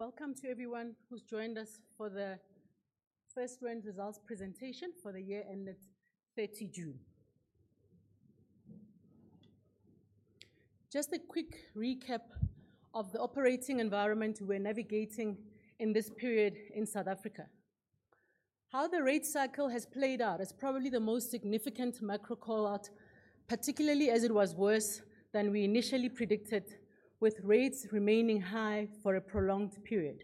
Welcome to everyone who's joined us for the first round results presentation for the year ended 30 June. Just a quick recap of the operating environment we're navigating in this period in South Africa. How the rate cycle has played out is probably the most significant macro call-out, particularly as it was worse than we initially predicted, with rates remaining high for a prolonged period.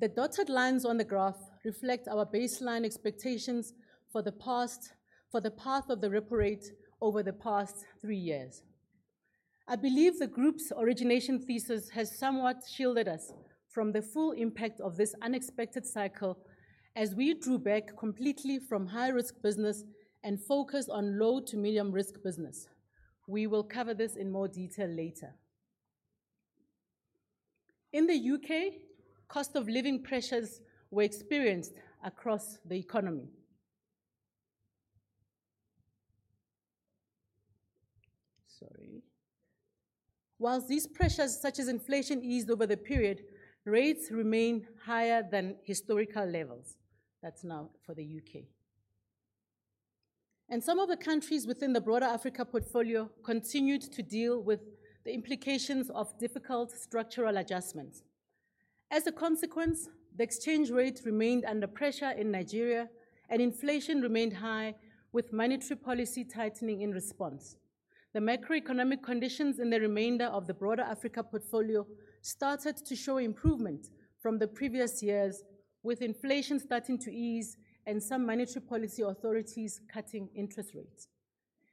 The dotted lines on the graph reflect our baseline expectations for the path of the repo rate over the past three years. I believe the group's origination thesis has somewhat shielded us from the full impact of this unexpected cycle, as we drew back completely from high-risk business and focused on low to medium risk business. We will cover this in more detail later. In the U.K., cost of living pressures were experienced across the economy. Sorry. While these pressures, such as inflation, eased over the period, rates remain higher than historical levels. That's now for the U.K., and some of the countries within the broader Africa portfolio continued to deal with the implications of difficult structural adjustments. As a consequence, the exchange rate remained under pressure in Nigeria, and inflation remained high, with monetary policy tightening in response. The macroeconomic conditions in the remainder of the broader Africa portfolio started to show improvement from the previous years, with inflation starting to ease and some monetary policy authorities cutting interest rates.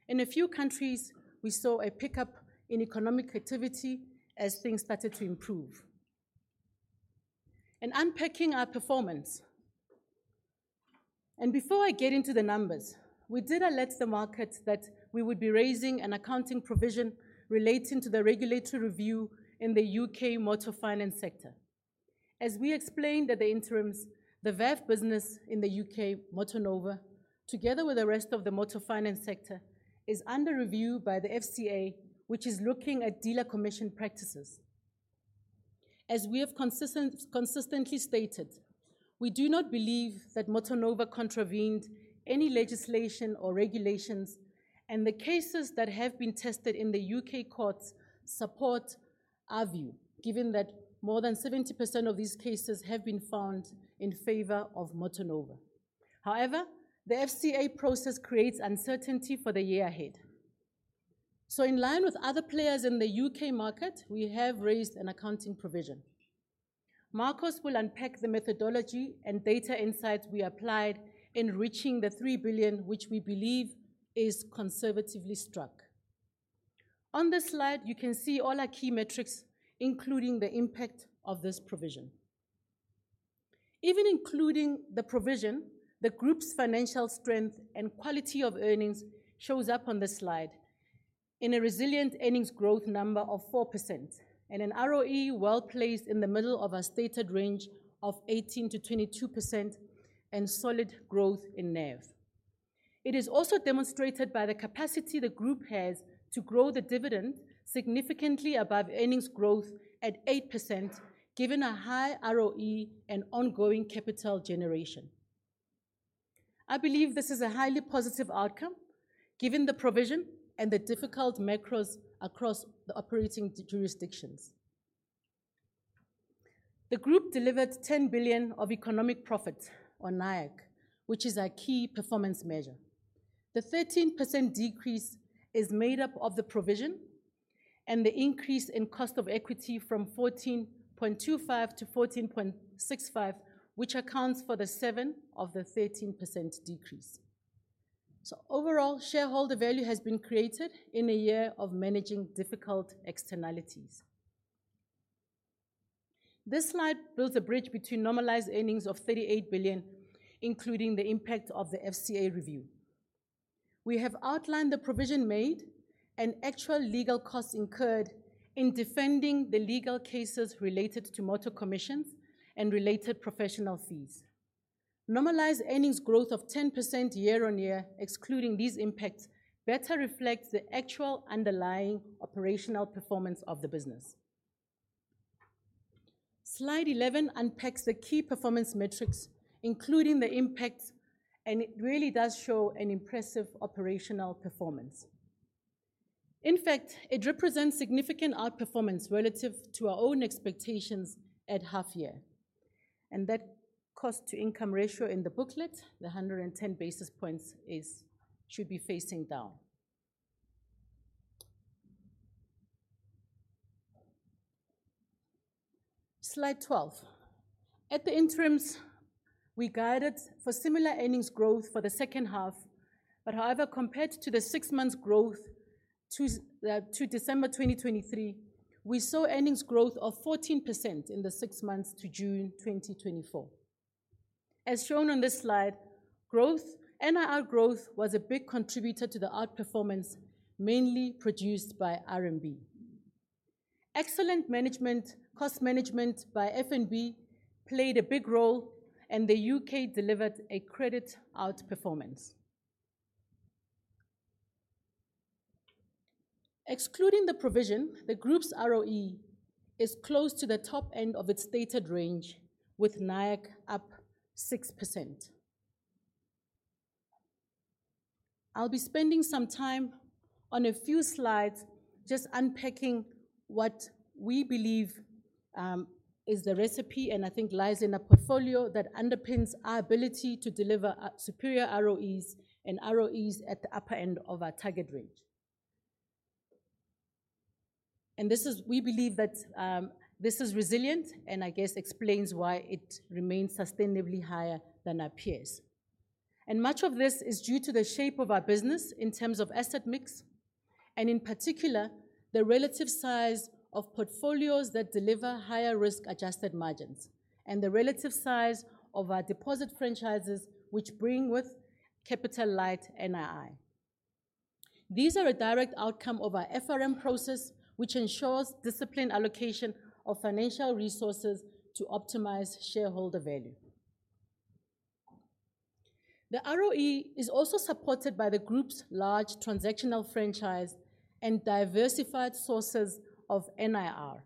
In a few countries, we saw a pickup in economic activity as things started to improve. In unpacking our performance, and before I get into the numbers, we did alert the market that we would be raising an accounting provision relating to the regulatory review in the U.K. motor finance sector. As we explained at the interims, the VAF business in the U.K., MotorNovo, together with the rest of the motor finance sector, is under review by the FCA, which is looking at dealer commission practices. As we have consistently stated, we do not believe that MotorNovo contravened any legislation or regulations, and the cases that have been tested in the U.K. courts support our view, given that more than 70% of these cases have been found in favor of MotorNovo. However, the FCA process creates uncertainty for the year ahead. So in line with other players in the U.K. market, we have raised an accounting provision. Markos will unpack the methodology and data insights we applied in reaching the 3 billion, which we believe is conservatively struck. On this slide, you can see all our key metrics, including the impact of this provision. Even including the provision, the group's financial strength and quality of earnings shows up on this slide in a resilient earnings growth number of 4% and an ROE well placed in the middle of our stated range of 18%-22% and solid growth in NAV. It is also demonstrated by the capacity the group has to grow the dividend significantly above earnings growth at 8%, given a high ROE and ongoing capital generation. I believe this is a highly positive outcome, given the provision and the difficult macros across the operating jurisdictions. The group delivered 10 billion of economic profit on NIACC, which is our key performance measure. The 13% decrease is made up of the provision and the increase in cost of equity from 14.25% to 14.65%, which accounts for the 7% of the 13% decrease. So overall, shareholder value has been created in a year of managing difficult externalities. This slide builds a bridge between normalized earnings of 38 billion, including the impact of the FCA review. We have outlined the provision made and actual legal costs incurred in defending the legal cases related to motor commissions and related professional fees. Normalized earnings growth of 10% year on year, excluding these impacts, better reflects the actual underlying operational performance of the business. Slide eleven unpacks the key performance metrics, including the impact, and it really does show an impressive operational performance. In fact, it represents significant outperformance relative to our own expectations at half year, and that cost-to-income ratio in the booklet, the 110 basis points, is should be facing down. Slide 12. At the interims, we guided for similar earnings growth for the second half, but however, compared to the six months growth to to December 2023, we saw earnings growth of 14% in the six months to June 2024. As shown on this slide, growth, NII growth was a big contributor to the outperformance, mainly produced by RMB. Excellent management, cost management by FNB played a big role, and the U.K. delivered a credit outperformance. Excluding the provision, the group's ROE is close to the top end of its stated range, with NIACC up 6%. I'll be spending some time on a few slides just unpacking what we believe is the recipe, and I think lies in a portfolio that underpins our ability to deliver superior ROEs and ROEs at the upper end of our target range. We believe that this is resilient and I guess explains why it remains sustainably higher than our peers. Much of this is due to the shape of our business in terms of asset mix, and in particular, the relative size of portfolios that deliver higher risk-adjusted margins, and the relative size of our deposit franchises, which bring with capital-light NII. These are a direct outcome of our FRM process, which ensures disciplined allocation of financial resources to optimize shareholder value. The ROE is also supported by the group's large transactional franchise and diversified sources of NIR.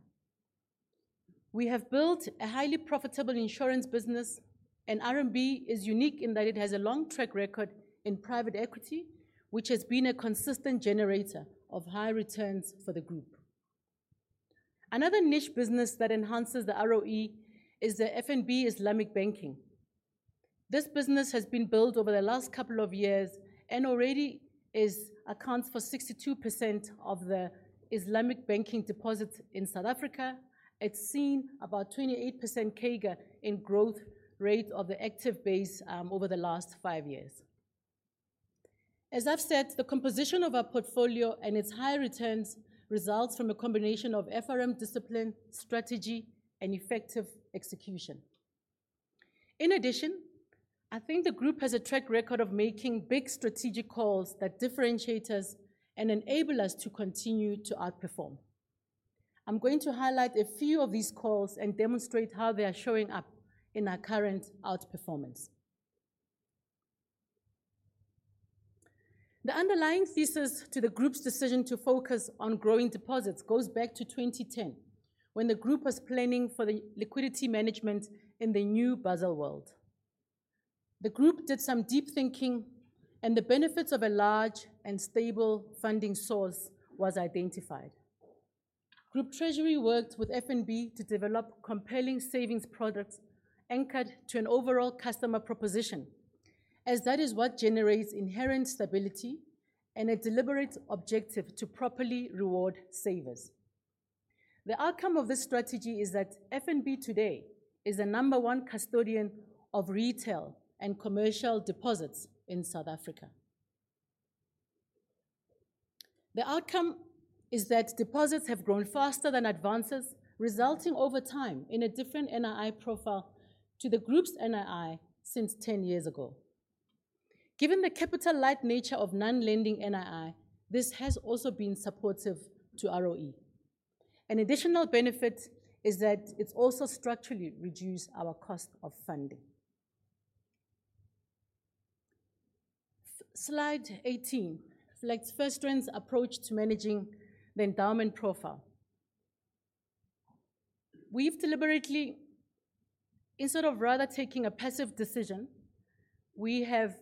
We have built a highly profitable insurance business, and RMB is unique in that it has a long track record in private equity, which has been a consistent generator of high returns for the group. Another niche business that enhances the ROE is the FNB Islamic Banking. This business has been built over the last couple of years and already accounts for 62% of the Islamic banking deposits in South Africa. It's seen about 28% CAGR in growth rate of the active base, over the last five years. As I've said, the composition of our portfolio and its high returns results from a combination of FRM discipline, strategy, and effective execution. In addition, I think the group has a track record of making big strategic calls that differentiate us and enable us to continue to outperform. I'm going to highlight a few of these calls and demonstrate how they are showing up in our current outperformance. The underlying thesis to the group's decision to focus on growing deposits goes back to 2010, when the group was planning for the liquidity management in the new Basel world. The group did some deep thinking, and the benefits of a large and stable funding source was identified. Group Treasury worked with FNB to develop compelling savings products anchored to an overall customer proposition, as that is what generates inherent stability and a deliberate objective to properly reward savers. The outcome of this strategy is that FNB today is the number one custodian of retail and commercial deposits in South Africa. The outcome is that deposits have grown faster than advances, resulting over time in a different NII profile to the group's NII since ten years ago. Given the capital-light nature of non-lending NII, this has also been supportive to ROE. An additional benefit is that it's also structurally reduced our cost of funding. Slide 18 reflects FirstRand's approach to managing the endowment profile. We've deliberately... Instead of rather taking a passive decision, we have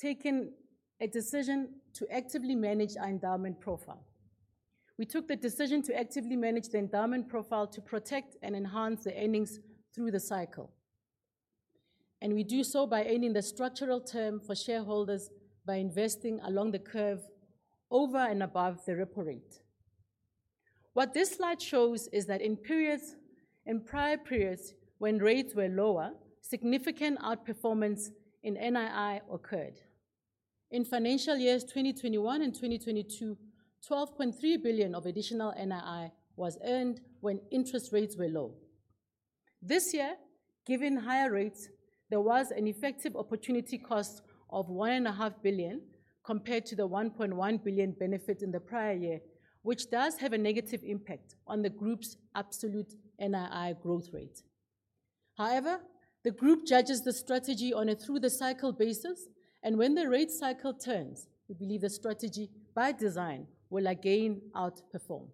taken a decision to actively manage our endowment profile. We took the decision to actively manage the endowment profile to protect and enhance the earnings through the cycle, and we do so by earning the structural term for shareholders, by investing along the curve over and above the repo rate. What this slide shows is that in periods, in prior periods when rates were lower, significant outperformance in NII occurred. In financial years 2021 and 2022, 12.3 billion of additional NII was earned when interest rates were low. This year, given higher rates, there was an effective opportunity cost of 1.5 billion compared to the 1.1 billion benefit in the prior year, which does have a negative impact on the group's absolute NII growth rate. However, the group judges the strategy on a through-the-cycle basis, and when the rate cycle turns, we believe the strategy by design will again outperform.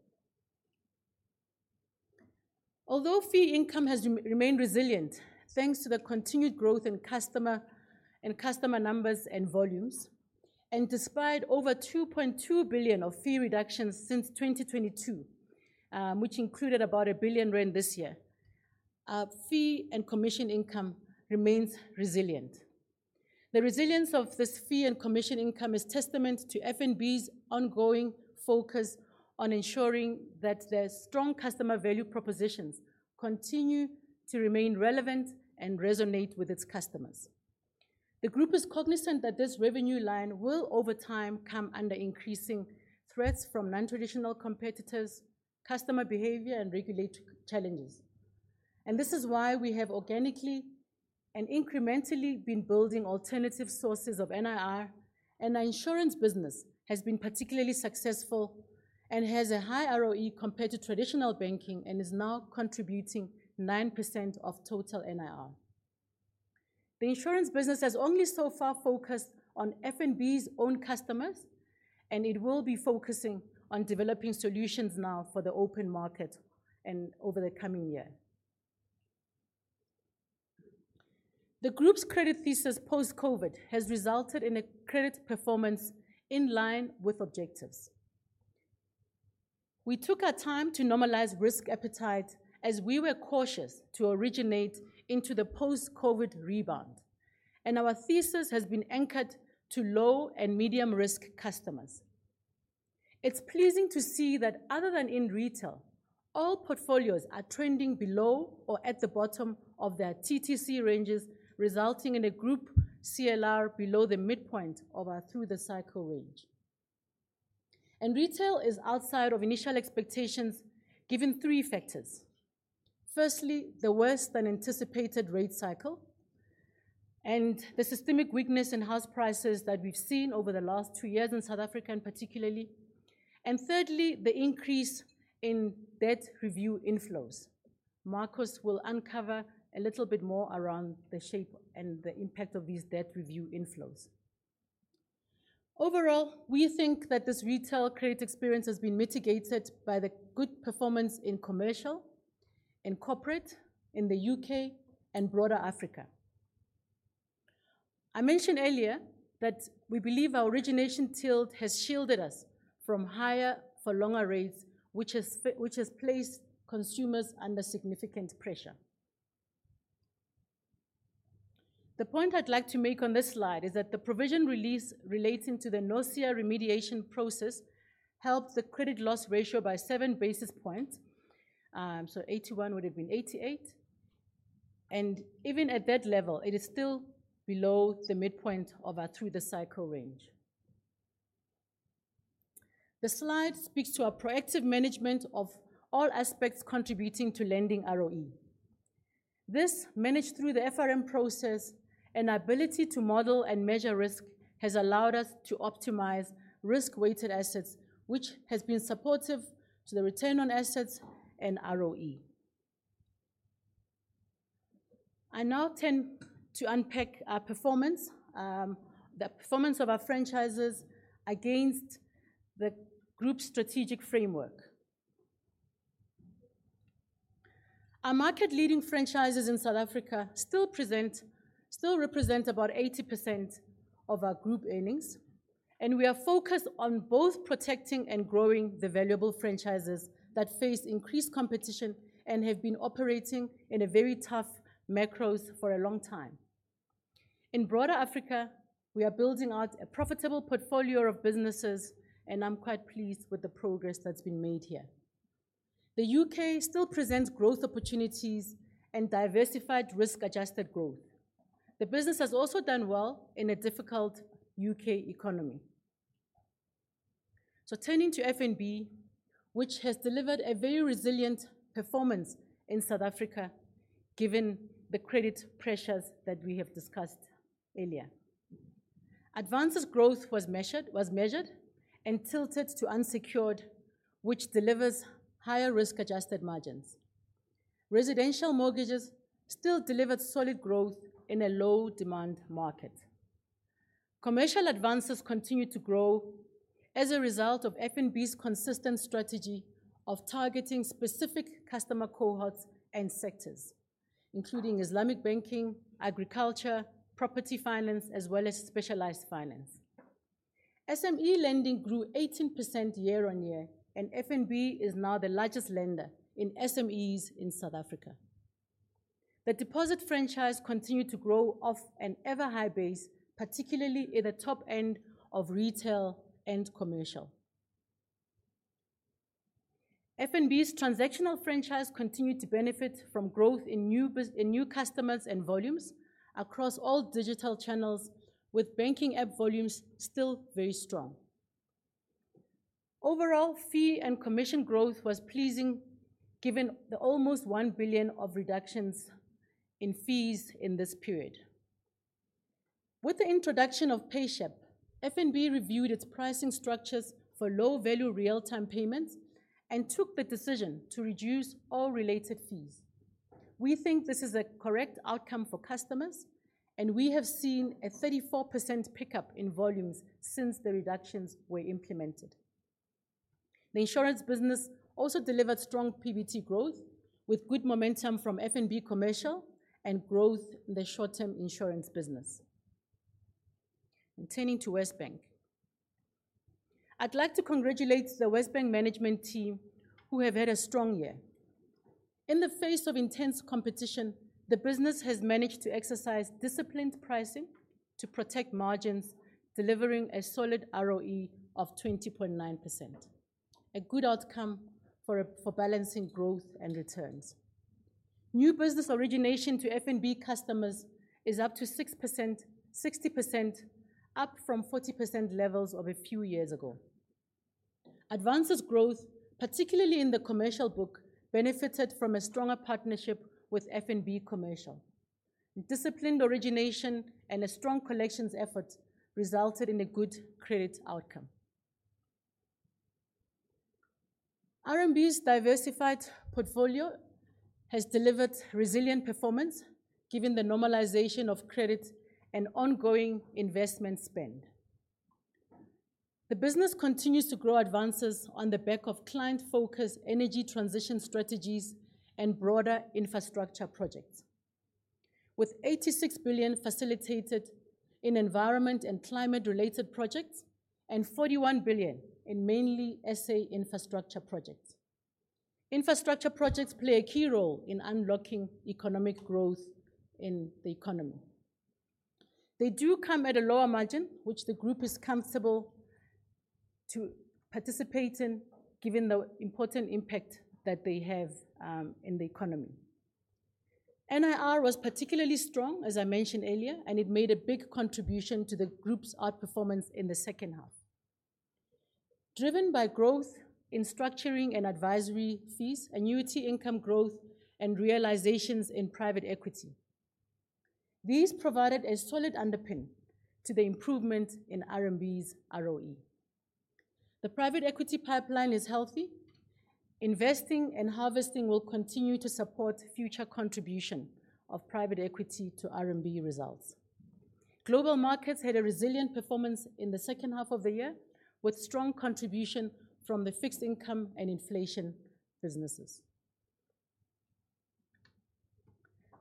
Although fee income has remained resilient, thanks to the continued growth in customer numbers and volumes, and despite over 2.2 billion of fee reductions since 2022, which included about 1 billion rand this year, our fee and commission income remains resilient. The resilience of this fee and commission income is testament to FNB's ongoing focus on ensuring that their strong customer value propositions continue to remain relevant and resonate with its customers. The group is cognizant that this revenue line will, over time, come under increasing threats from non-traditional competitors, customer behavior, and regulatory challenges. This is why we have organically and incrementally been building alternative sources of NII, and our insurance business has been particularly successful and has a high ROE compared to traditional banking and is now contributing 9% of total NII. The insurance business has only so far focused on FNB's own customers, and it will be focusing on developing solutions now for the open market and over the coming year. The group's credit thesis post-COVID has resulted in a credit performance in line with objectives. We took our time to normalize risk appetite as we were cautious to originate into the post-COVID rebound, and our thesis has been anchored to low and medium-risk customers. It's pleasing to see that other than in retail, all portfolios are trending below or at the bottom of their TTC ranges, resulting in a group CLR below the midpoint of our through-the-cycle range. Retail is outside of initial expectations, given three factors: firstly, the worse-than-anticipated rate cycle, and the systemic weakness in house prices that we've seen over the last two years in South Africa in particular, and thirdly, the increase in debt review inflows. Markos will uncover a little bit more around the shape and the impact of these debt review inflows. Overall, we think that this retail credit experience has been mitigated by the good performance in commercial, in corporate, in the U.K., and broader Africa. I mentioned earlier that we believe our origination tilt has shielded us from higher for longer rates, which has placed consumers under significant pressure. The point I'd like to make on this slide is that the provision release relating to the NOSIA remediation process helped the credit loss ratio by seven basis points. So 81 would have been 88, and even at that level, it is still below the midpoint of our through-the-cycle range. The slide speaks to our proactive management of all aspects contributing to lending ROE. This, managed through the FRM process and ability to model and measure risk, has allowed us to optimize risk-weighted assets, which has been supportive to the return on assets and ROE. I now turn to unpack our performance, the performance of our franchises against the group's strategic framework. Our market-leading franchises in South Africa still represent about 80% of our group earnings, and we are focused on both protecting and growing the valuable franchises that face increased competition and have been operating in a very tough macros for a long time. In broader Africa, we are building out a profitable portfolio of businesses, and I'm quite pleased with the progress that's been made here. The U.K. still presents growth opportunities and diversified risk-adjusted growth. The business has also done well in a difficult U.K. economy. Turning to FNB, which has delivered a very resilient performance in South Africa, given the credit pressures that we have discussed earlier. Advances growth was measured and tilted to unsecured, which delivers higher risk-adjusted margins. Residential mortgages still delivered solid growth in a low-demand market. Commercial advances continued to grow as a result of FNB's consistent strategy of targeting specific customer cohorts and sectors, including Islamic banking, agriculture, property finance, as well as specialized finance. SME lending grew 18% year on year, and FNB is now the largest lender in SMEs in South Africa. The deposit franchise continued to grow off an ever high base, particularly at the top end of retail and commercial. FNB's transactional franchise continued to benefit from growth in new customers and volumes across all digital channels, with banking app volumes still very strong. Overall, fee and commission growth was pleasing, given the almost 1 billion of reductions in fees in this period. With the introduction of PayShap, FNB reviewed its pricing structures for low-value real-time payments and took the decision to reduce all related fees. We think this is a correct outcome for customers, and we have seen a 34% pickup in volumes since the reductions were implemented. The insurance business also delivered strong PBT growth, with good momentum from FNB Commercial and growth in the short-term insurance business. Turning to WesBank, I'd like to congratulate the WesBank management team, who have had a strong year. In the face of intense competition, the business has managed to exercise disciplined pricing to protect margins, delivering a solid ROE of 20.9%, a good outcome for balancing growth and returns. New business origination to FNB customers is up to 6%... 60%, up from 40% levels of a few years ago. Advances growth, particularly in the commercial book, benefited from a stronger partnership with FNB Commercial. Disciplined origination and a strong collections effort resulted in a good credit outcome. RMB's diversified portfolio has delivered resilient performance, given the normalization of credit and ongoing investment spend. The business continues to grow advances on the back of client-focused energy transition strategies and broader infrastructure projects, with 86 billion facilitated in environment and climate-related projects and 41 billion in mainly SA infrastructure projects. Infrastructure projects play a key role in unlocking economic growth in the economy. They do come at a lower margin, which the group is comfortable to participate in, given the important impact that they have in the economy. NIR was particularly strong, as I mentioned earlier, and it made a big contribution to the group's outperformance in the second half. Driven by growth in structuring and advisory fees, annuity income growth, and realisations in private equity. These provided a solid underpin to the improvement in RMB's ROE. The private equity pipeline is healthy. Investing and harvesting will continue to support future contribution of private equity to RMB results. Global markets had a resilient performance in the second half of the year, with strong contribution from the fixed income and inflation businesses.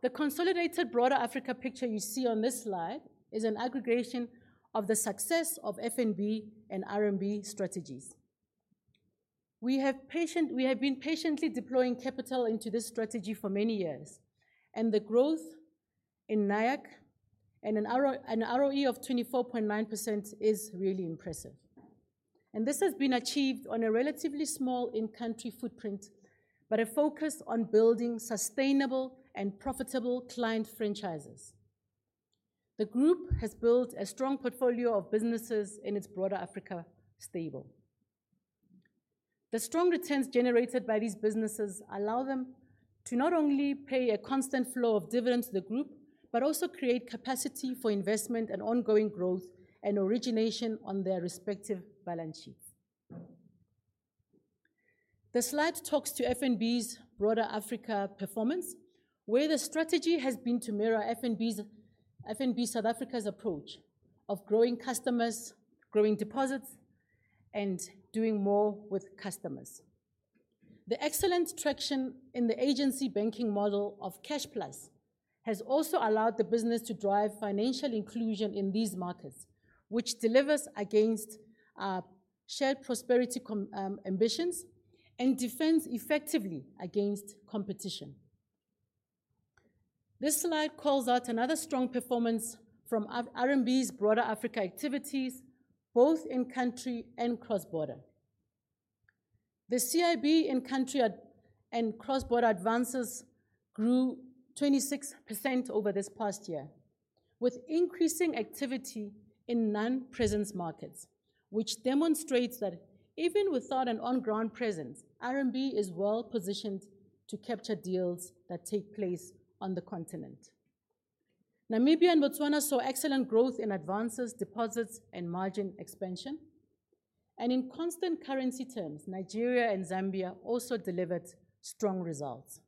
The consolidated broader Africa picture you see on this slide is an aggregation of the success of FNB and RMB strategies. We have been patiently deploying capital into this strategy for many years, and the growth in NIIAC and an ROE of 24.9% is really impressive. This has been achieved on a relatively small in-country footprint, but a focus on building sustainable and profitable client franchises. The group has built a strong portfolio of businesses in its broader Africa stable. The strong returns generated by these businesses allow them to not only pay a constant flow of dividend to the group, but also create capacity for investment and ongoing growth and origination on their respective balance sheets. The slide talks to FNB's broader Africa performance, where the strategy has been to mirror FNB's, FNB South Africa's approach of growing customers, growing deposits, and doing more with customers. The excellent traction in the agency banking model of Cash Plus has also allowed the business to drive financial inclusion in these markets, which delivers against shared prosperity ambitions and defends effectively against competition. This slide calls out another strong performance from RMB's broader Africa activities, both in country and cross-border. The CIB in country and cross-border advances grew 26% over this past year, with increasing activity in non-presence markets, which demonstrates that even without an on-ground presence, RMB is well positioned to capture deals that take place on the continent. Namibia and Botswana saw excellent growth in advances, deposits, and margin expansion, and in constant currency terms, Nigeria and Zambia also delivered strong results.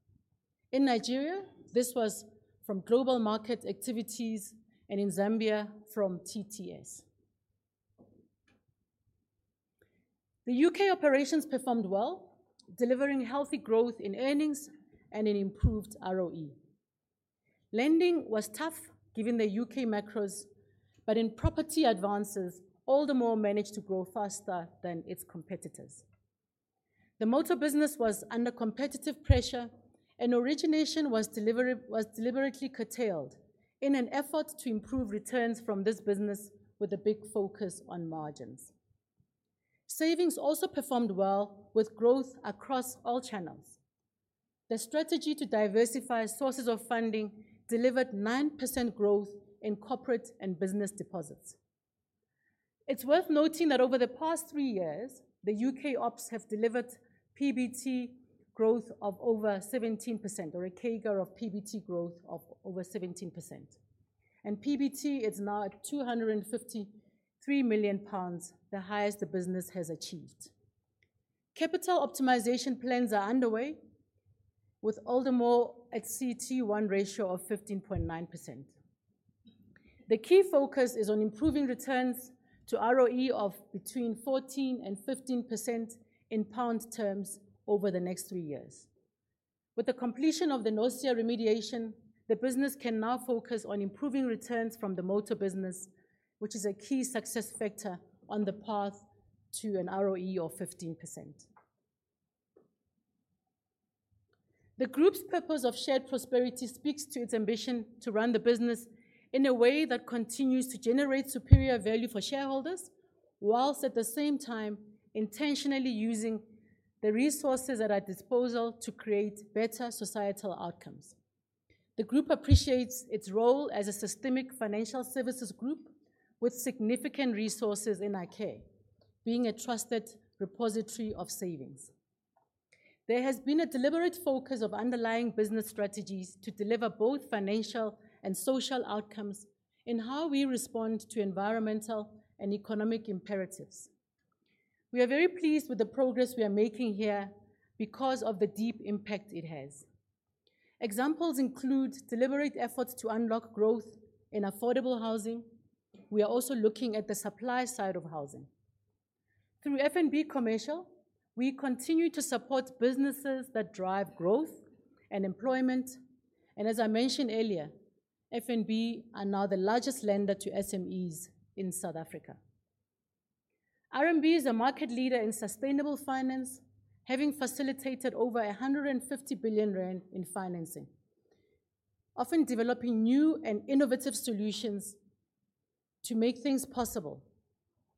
In Nigeria, this was from global market activities, and in Zambia, from TTS. The U.K. operations performed well, delivering healthy growth in earnings and an improved ROE. Lending was tough, given the U.K. macros, but in property advances, Aldermore managed to grow faster than its competitors. The Motor business was under competitive pressure, and origination was deliberately curtailed in an effort to improve returns from this business with a big focus on margins. Savings also performed well, with growth across all channels. The strategy to diversify sources of funding delivered 9% growth in corporate and business deposits. It's worth noting that over the past three years, the U.K. ops have delivered PBT growth of over 17%, or a CAGR of PBT growth of over 17%, and PBT is now at 253 million pounds, the highest the business has achieved. Capital optimization plans are underway, with Aldermore at CET1 ratio of 15.9%. The key focus is on improving returns to ROE of between 14% and 15% in pound terms over the next three years. With the completion of the NOSIA remediation, the business can now focus on improving returns from the motor business, which is a key success factor on the path to an ROE of 15%. The group's purpose of shared prosperity speaks to its ambition to run the business in a way that continues to generate superior value for shareholders, whilst at the same time intentionally using the resources at our disposal to create better societal outcomes. The group appreciates its role as a systemic financial services group with significant resources in our care, being a trusted repository of savings. There has been a deliberate focus of underlying business strategies to deliver both financial and social outcomes in how we respond to environmental and economic imperatives. We are very pleased with the progress we are making here because of the deep impact it has. Examples include deliberate efforts to unlock growth in affordable housing. We are also looking at the supply side of housing. Through FNB Commercial, we continue to support businesses that drive growth and employment, and as I mentioned earlier, FNB are now the largest lender to SMEs in South Africa. RMB is a market leader in sustainable finance, having facilitated over 150 billion rand in financing, often developing new and innovative solutions to make things possible,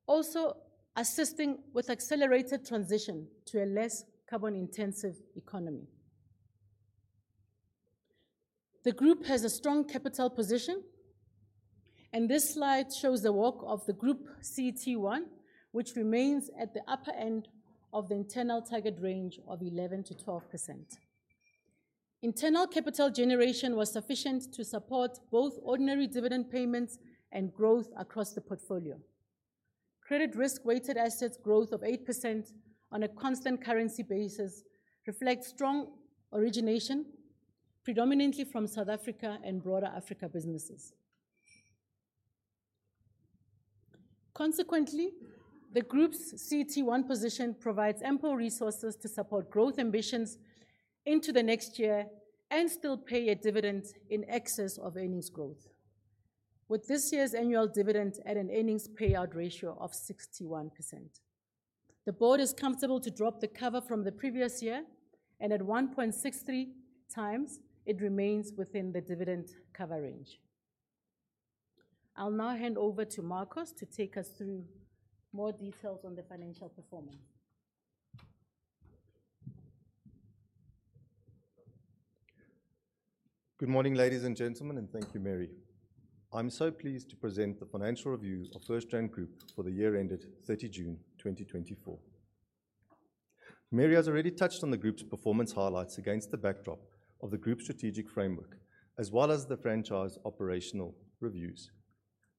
also assisting with accelerated transition to a less carbon-intensive economy. The group has a strong capital position, and this slide shows the work of the group CET1, which remains at the upper end of the internal target range of 11%-12%. Internal capital generation was sufficient to support both ordinary dividend payments and growth across the portfolio. Credit risk-weighted assets growth of 8% on a constant currency basis reflects strong origination, predominantly from South Africa and broader Africa businesses. Consequently, the group's CET1 position provides ample resources to support growth ambitions into the next year and still pay a dividend in excess of earnings growth. With this year's annual dividend at an earnings payout ratio of 61%, the board is comfortable to drop the cover from the previous year, and at 1.63 times, it remains within the dividend cover range. I'll now hand over to Markos to take us through more details on the financial performance. Good morning, ladies and gentlemen, and thank you, Mary. I'm so pleased to present the financial review of FirstRand Group for the year ended 30 June 2024. Mary has already touched on the group's performance highlights against the backdrop of the group's strategic framework, as well as the franchise operational reviews.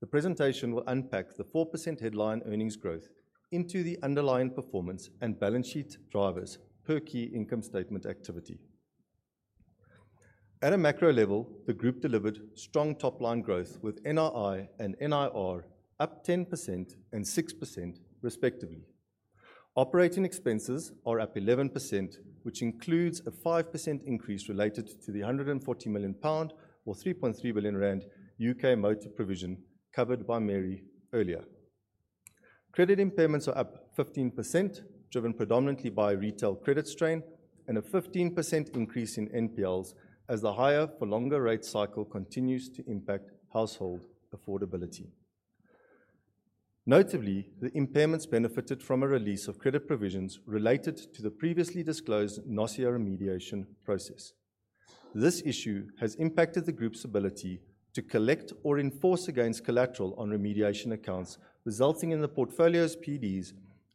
The presentation will unpack the 4% headline earnings growth into the underlying performance and balance sheet drivers per key income statement activity. At a macro level, the group delivered strong top-line growth, with NII and NIR up 10% and 6%, respectively. Operating expenses are up 11%, which includes a 5% increase related to the 140 million pound or 3.3 billion rand U.K. motor provision covered by Mary earlier. Credit impairments are up 15%, driven predominantly by retail credit strain and a 15% increase in NPLs, as the higher for longer rate cycle continues to impact household affordability. Notably, the impairments benefited from a release of credit provisions related to the previously disclosed NOSIA remediation process. This issue has impacted the group's ability to collect or enforce against collateral on remediation accounts, resulting in the portfolio's PDs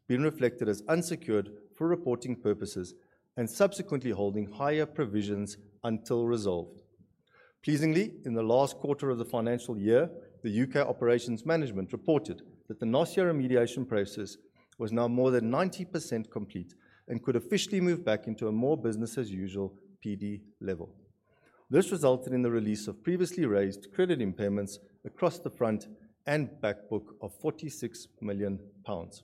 being reflected as unsecured for reporting purposes and subsequently holding higher provisions until resolved. Pleasingly, in the last quarter of the financial year, the U.K. operations management reported that the NOSIA remediation process was now more than 90% complete and could officially move back into a more business as usual PD level. This resulted in the release of previously raised credit impairments across the front and back book of 46 million pounds.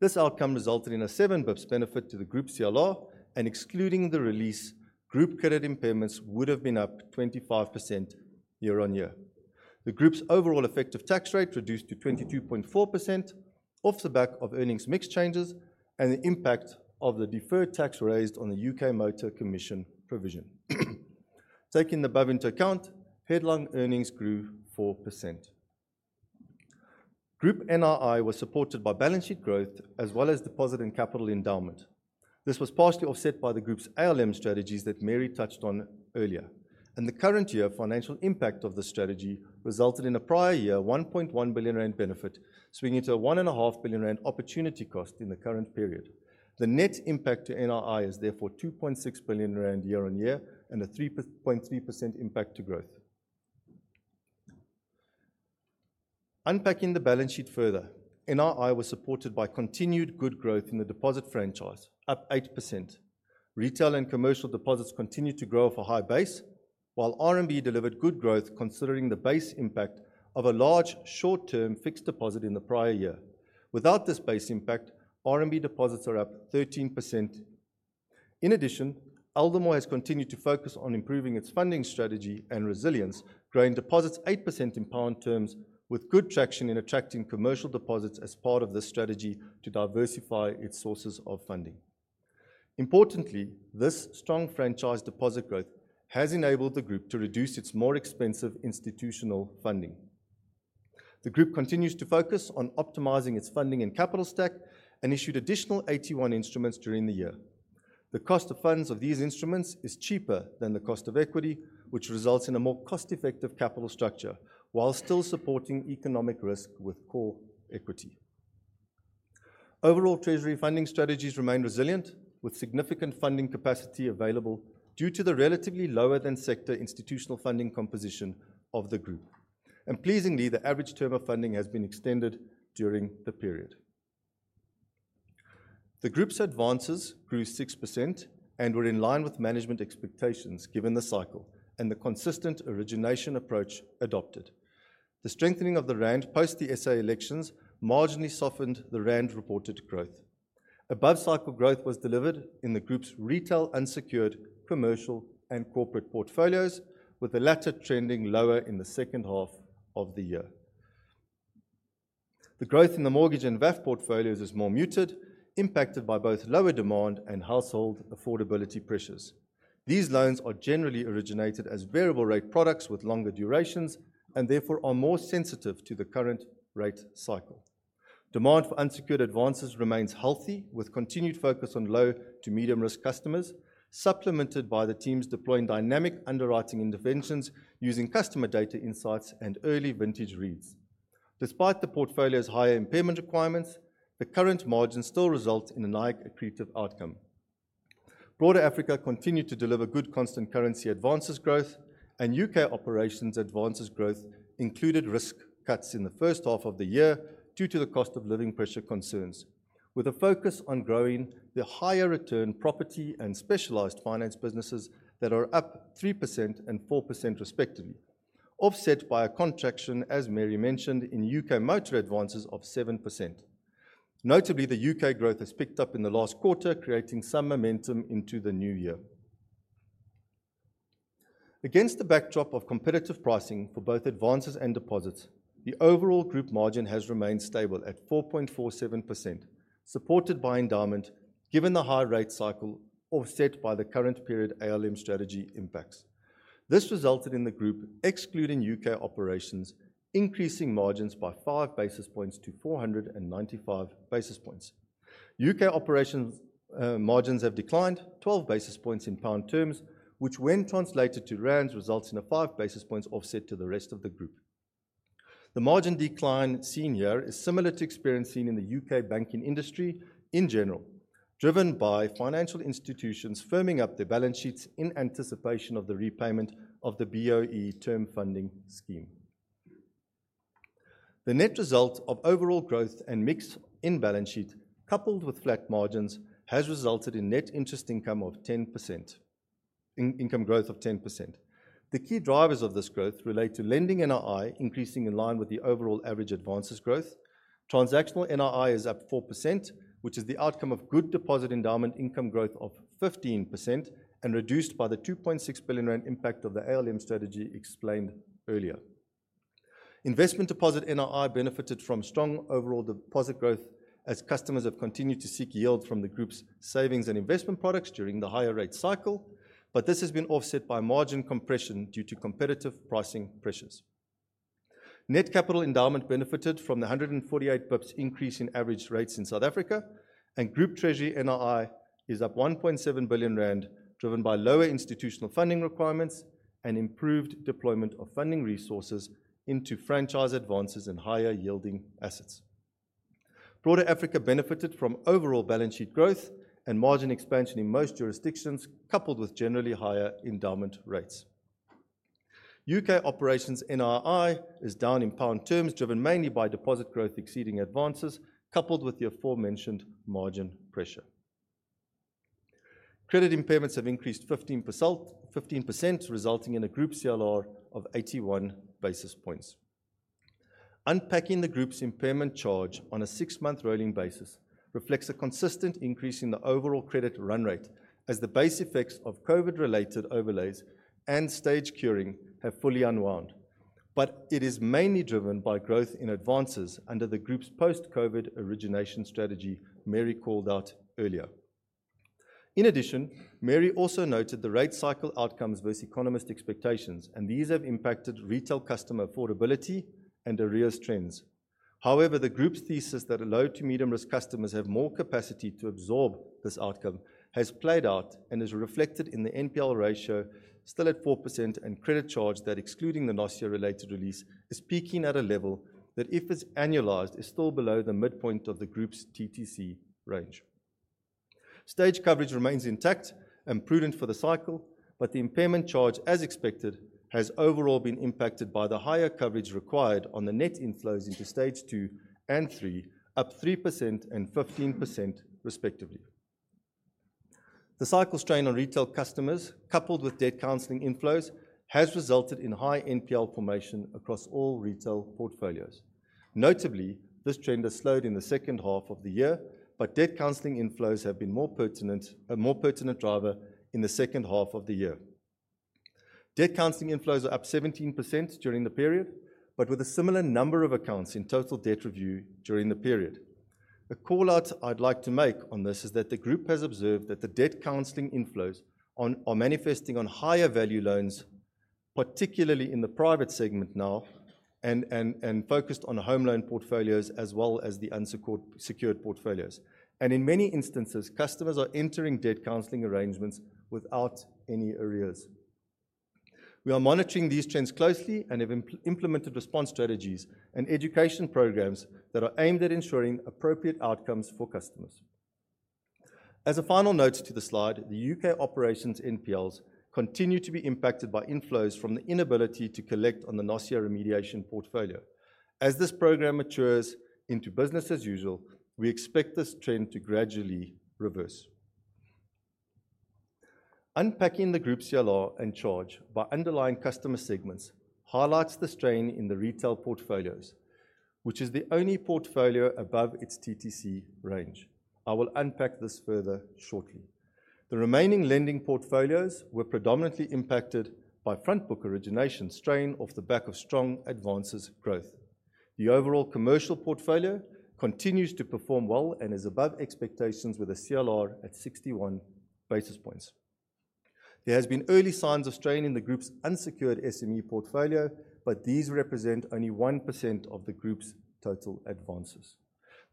This outcome resulted in a seven basis points benefit to the group's CLR, and excluding the release, group credit impairments would have been up 25% year on year. The group's overall effective tax rate reduced to 22.4% off the back of earnings mix changes and the impact of the deferred tax raised on the U.K. Motor Commission provision. Taking the above into account, headline earnings grew 4%. Group NII was supported by balance sheet growth as well as deposit and capital endowment. This was partially offset by the group's ALM strategies that Mary touched on earlier, and the current year financial impact of the strategy resulted in a prior year 1.1 billion rand benefit, swinging to a 1.5 billion rand opportunity cost in the current period. The net impact to NII is therefore 2.6 billion rand year on year and a 3.3% impact to growth. Unpacking the balance sheet further, NII was supported by continued good growth in the deposit franchise, up 8%. Retail and commercial deposits continued to grow off a high base, while RMB delivered good growth considering the base impact of a large short-term fixed deposit in the prior year. Without this base impact, RMB deposits are up 13%. In addition, Aldermore has continued to focus on improving its funding strategy and resilience, growing deposits 8% in pound terms, with good traction in attracting commercial deposits as part of the strategy to diversify its sources of funding. Importantly, this strong franchise deposit growth has enabled the group to reduce its more expensive institutional funding. The group continues to focus on optimizing its funding and capital stack and issued additional 81 instruments during the year. The cost of funds of these instruments is cheaper than the cost of equity, which results in a more cost-effective capital structure while still supporting economic risk with core equity. Overall treasury funding strategies remain resilient, with significant funding capacity available due to the relatively lower than sector institutional funding composition of the group, and pleasingly, the average term of funding has been extended during the period. The group's advances grew 6% and were in line with management expectations, given the cycle and the consistent origination approach adopted. The strengthening of the rand post the SA elections marginally softened the rand-reported growth. Above-cycle growth was delivered in the group's retail, unsecured, commercial, and corporate portfolios, with the latter trending lower in the second half of the year. The growth in the Mortgage and VAF portfolios is more muted, impacted by both lower demand and household affordability pressures. These loans are generally originated as variable rate products with longer durations, and therefore are more sensitive to the current rate cycle. Demand for unsecured advances remains healthy, with continued focus on low to medium-risk customers, supplemented by the teams deploying dynamic underwriting interventions using customer data insights and early vintage reads. Despite the portfolio's higher impairment requirements, the current margin still results in a nice accretive outcome. Broader Africa continued to deliver good constant currency advances growth, and U.K. operations advances growth included risk cuts in the first half of the year due to the cost of living pressure concerns, with a focus on growing the higher return property and specialized finance businesses that are up 3% and 4% respectively, offset by a contraction, as Mary mentioned, in U.K. motor advances of 7%. Notably, the U.K. growth has picked up in the last quarter, creating some momentum into the new year. Against the backdrop of competitive pricing for both advances and deposits, the overall group margin has remained stable at 4.47%, supported by endowment, given the high rate cycle offset by the current period ALM strategy impacts. This resulted in the group, excluding U.K. operations, increasing margins by five basis points to 495 basis points. U.K. operations, margins have declined 12 basis points in pound terms, which when translated to rands, results in a 5 basis points offset to the rest of the group. The margin decline seen here is similar to experience seen in the U.K. banking industry in general, driven by financial institutions firming up their balance sheets in anticipation of the repayment of the BOE Term Funding Scheme. The net result of overall growth and mix in balance sheet, coupled with flat margins, has resulted in net interest income of 10%, in income growth of 10%. The key drivers of this growth relate to lending NII, increasing in line with the overall average advances growth. Transactional NII is up 4%, which is the outcome of good deposit endowment income growth of 15% and reduced by the 2.6 billion rand impact of the ALM strategy explained earlier. Investment deposit NII benefited from strong overall deposit growth as customers have continued to seek yield from the group's savings and investment products during the higher rate cycle, but this has been offset by margin compression due to competitive pricing pressures. Net capital endowment benefited from the 148 basis points increase in average rates in South Africa, and Group Treasury NII is up 1.7 billion rand, driven by lower institutional funding requirements and improved deployment of funding resources into franchise advances and higher yielding assets. Broader Africa benefited from overall balance sheet growth and margin expansion in most jurisdictions, coupled with generally higher endowment rates. U.K. operations NII is down in pound terms, driven mainly by deposit growth exceeding advances, coupled with the aforementioned margin pressure. Credit impairments have increased 15%, 15%, resulting in a group CLR of 81 basis points. Unpacking the group's impairment charge on a six-month rolling basis reflects a consistent increase in the overall credit run rate, as the base effects of COVID-related overlays and stage curing have fully unwound. But it is mainly driven by growth in advances under the group's post-COVID origination strategy Mary called out earlier. In addition, Mary also noted the rate cycle outcomes versus economist expectations, and these have impacted retail customer affordability and arrears trends. However, the group's thesis that low to medium-risk customers have more capacity to absorb this outcome has played out and is reflected in the NPL ratio, still at 4%, and credit charge that, excluding the last year related release, is peaking at a level that, if it's annualized, is still below the midpoint of the group's TTC range. Stage coverage remains intact and prudent for the cycle, but the impairment charge, as expected, has overall been impacted by the higher coverage required on the net inflows into stage two and three, up 3% and 15% respectively. The cycle strain on retail customers, coupled with debt counseling inflows, has resulted in high NPL formation across all retail portfolios. Notably, this trend has slowed in the second half of the year, but debt counseling inflows have been more pertinent, a more pertinent driver in the second half of the year. Debt counseling inflows are up 17% during the period, but with a similar number of accounts in total debt review during the period. A call out I'd like to make on this is that the group has observed that the debt counseling inflows are manifesting on higher value loans, particularly in the private segment now and focused on home loan portfolios as well as the unsecured, secured portfolios. And in many instances, customers are entering debt counseling arrangements without any arrears. We are monitoring these trends closely and have implemented response strategies and education programs that are aimed at ensuring appropriate outcomes for customers. As a final note to the slide, the U.K. operations NPLs continue to be impacted by inflows from the inability to collect on the NOSIA remediation portfolio. As this program matures into business as usual, we expect this trend to gradually reverse. Unpacking the group CLR and charge by underlying customer segments highlights the strain in the retail portfolios, which is the only portfolio above its TTC range. I will unpack this further shortly. The remaining lending portfolios were predominantly impacted by front book origination strain off the back of strong advances growth. The overall commercial portfolio continues to perform well and is above expectations, with a CLR at 61 basis points. There has been early signs of strain in the group's unsecured SME portfolio, but these represent only 1% of the group's total advances.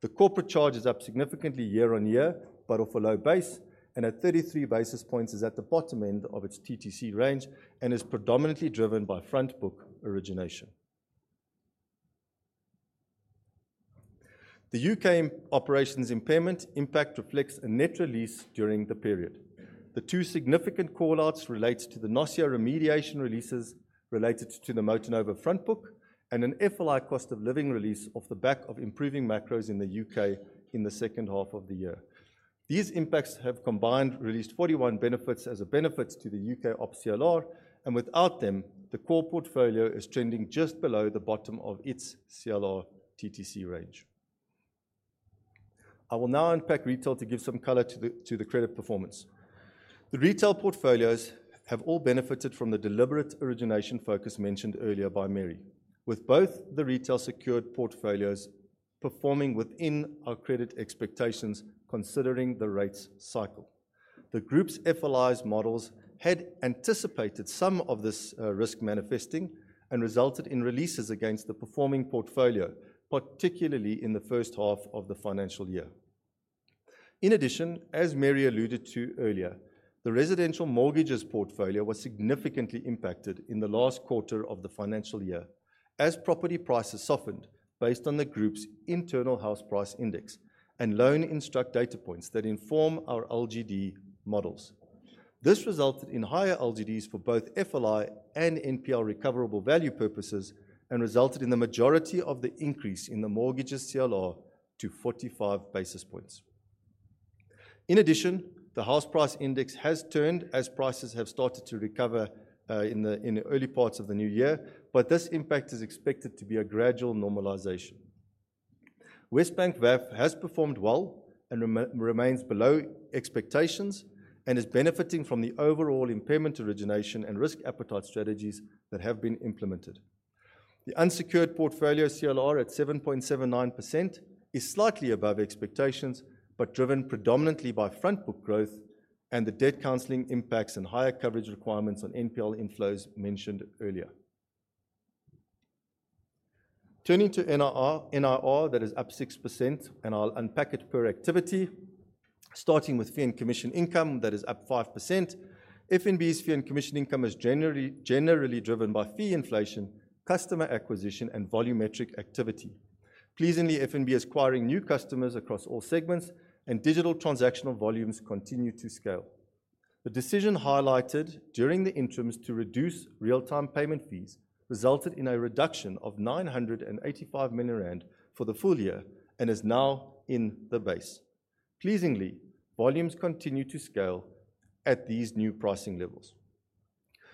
The corporate charge is up significantly year on year, but off a low base, and at thirty-three basis points is at the bottom end of its TTC range and is predominantly driven by front book origination. The U.K. operations impairment impact reflects a net release during the period. The two significant call-outs relates to the NOSIA remediation releases related to the MotoNovo front book and an FLI cost of living release off the back of improving macros in the U.K. in the second half of the year. These impacts have combined released forty-one benefits as a benefit to the U.K. op CLR, and without them, the core portfolio is trending just below the bottom of its CLR TTC range. I will now unpack retail to give some color to the credit performance. The retail portfolios have all benefited from the deliberate origination focus mentioned earlier by Mary, with both the retail secured portfolios performing within our credit expectations considering the rates cycle. The group's FLI models had anticipated some of this, risk manifesting and resulted in releases against the performing portfolio, particularly in the first half of the financial year. In addition, as Mary alluded to earlier, the residential mortgages portfolio was significantly impacted in the last quarter of the financial year as property prices softened based on the group's internal house price index and loan instruct data points that inform our LGD models. This resulted in higher LGDs for both FLI and NPL recoverable value purposes and resulted in the majority of the increase in the mortgages CLR to 45 basis points. In addition, the house price index has turned as prices have started to recover in the early parts of the new year, but this impact is expected to be a gradual normalization. WesBank VAF has performed well and remains below expectations and is benefiting from the overall impairment, origination, and risk appetite strategies that have been implemented. The unsecured portfolio CLR at 7.79% is slightly above expectations, but driven predominantly by front book growth and the debt counseling impacts and higher coverage requirements on NPL inflows mentioned earlier. Turning to NIR, that is up 6%, and I'll unpack it per activity, starting with fee and commission income that is up 5%. FNB's fee and commission income is generally driven by fee inflation, customer acquisition, and volumetric activity. Pleasingly, FNB is acquiring new customers across all segments, and digital transactional volumes continue to scale. The decision highlighted during the interims to reduce real-time payment fees resulted in a reduction of R985 million for the full year and is now in the base. Pleasingly, volumes continue to scale at these new pricing levels.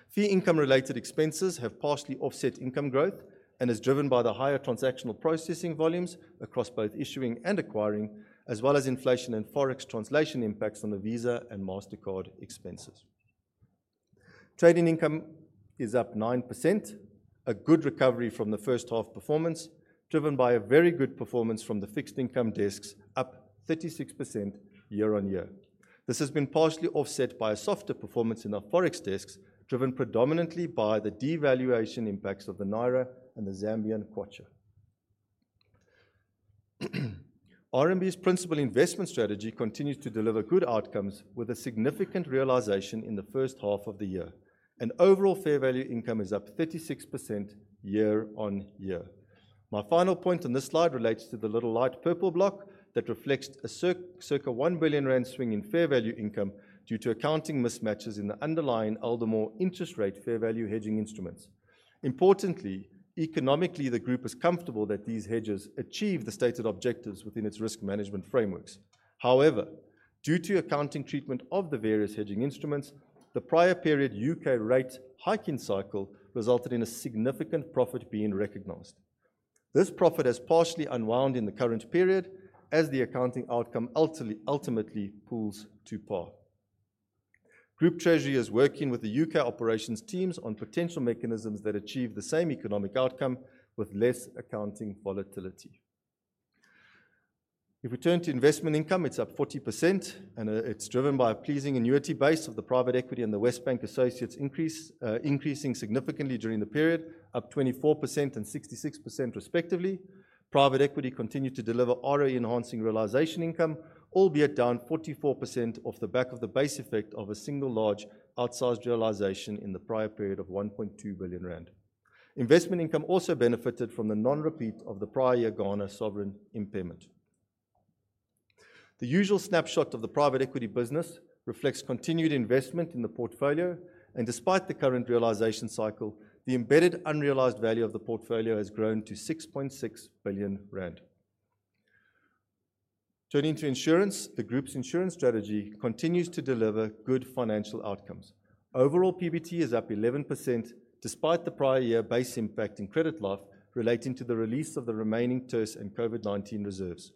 Fee income-related expenses have partially offset income growth and is driven by the higher transactional processing volumes across both issuing and acquiring, as well as inflation and Forex translation impacts on the Visa and Mastercard expenses. Trading income is up 9%, a good recovery from the first half performance, driven by a very good performance from the fixed income desks, up 36% year on year. This has been partially offset by a softer performance in our Forex desks, driven predominantly by the devaluation impacts of the Naira and the Zambian Kwacha. RMB's principal investment strategy continues to deliver good outcomes with a significant realization in the first half of the year, and overall fair value income is up 36% year on year. My final point on this slide relates to the little light purple block that reflects a circa 1 billion rand swing in fair value income due to accounting mismatches in the underlying Aldermore interest rate fair value hedging instruments. Importantly, economically, the group is comfortable that these hedges achieve the stated objectives within its risk management frameworks. However, due to accounting treatment of the various hedging instruments, the prior period U.K. rate hiking cycle resulted in a significant profit being recognized. This profit has partially unwound in the current period as the accounting outcome ultimately pulls to par. Group Treasury is working with the U.K. operations teams on potential mechanisms that achieve the same economic outcome with less accounting volatility. If we turn to investment income, it's up 40%, and it's driven by a pleasing annuity base of the private equity and the WesBank associates, increasing significantly during the period, up 24% and 66% respectively. Private equity continued to deliver ROE-enhancing realization income, albeit down 44% off the back of the base effect of a single large outsized realization in the prior period of 1.2 billion rand. Investment income also benefited from the non-repeat of the prior year Ghana sovereign impairment. The usual snapshot of the private equity business reflects continued investment in the portfolio, and despite the current realization cycle, the embedded unrealized value of the portfolio has grown to 6.6 billion rand. Turning to insurance, the group's insurance strategy continues to deliver good financial outcomes. Overall, PBT is up 11% despite the prior year base impact in Credit Life relating to the release of the remaining TERS and COVID-19 reserves.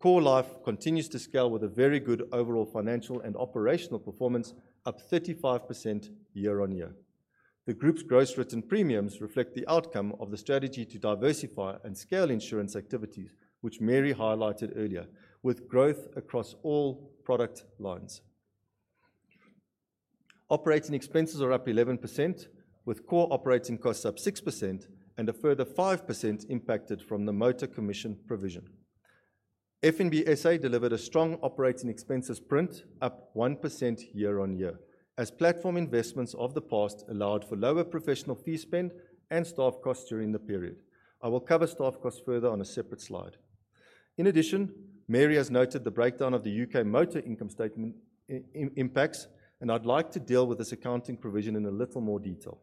Core Life continues to scale with a very good overall financial and operational performance, up 35% year on year. The group's gross written premiums reflect the outcome of the strategy to diversify and scale insurance activities, which Mary highlighted earlier, with growth across all product lines. Operating expenses are up 11%, with core operating costs up 6% and a further 5% impacted from the motor commission provision. FNB SA delivered a strong operating expenses print, up 1% year on year, as platform investments of the past allowed for lower professional fee spend and staff costs during the period. I will cover staff costs further on a separate slide. In addition, Mary has noted the breakdown of the U.K. motor income statement, in impacts, and I'd like to deal with this accounting provision in a little more detail.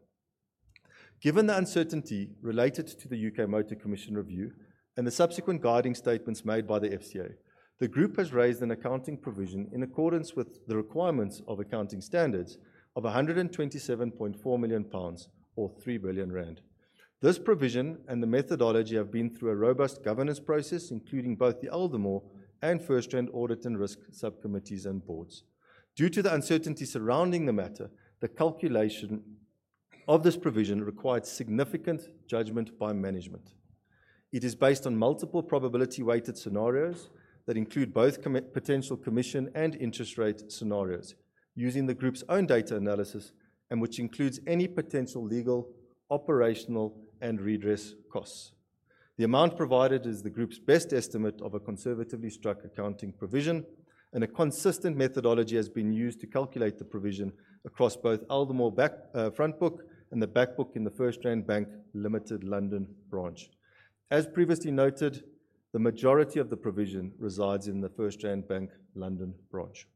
Given the uncertainty related to the U.K. Motor Commission review and the subsequent guiding statements made by the FCA, the group has raised an accounting provision in accordance with the requirements of accounting standards of 127.4 million pounds, or 3 billion rand. This provision and the methodology have been through a robust governance process, including both the Aldermore and FirstRand Audit and Risk Subcommittees and boards. Due to the uncertainty surrounding the matter, the calculation of this provision required significant judgment by management. It is based on multiple probability weighted scenarios that include both potential commission and interest rate scenarios, using the group's own data analysis, and which includes any potential legal, operational, and redress costs. The amount provided is the group's best estimate of a conservatively struck accounting provision, and a consistent methodology has been used to calculate the provision across both Aldermore back, front book and the back book in the FirstRand Bank Limited London branch. As previously noted, the majority of the provision resides in the FirstRand Bank London branch.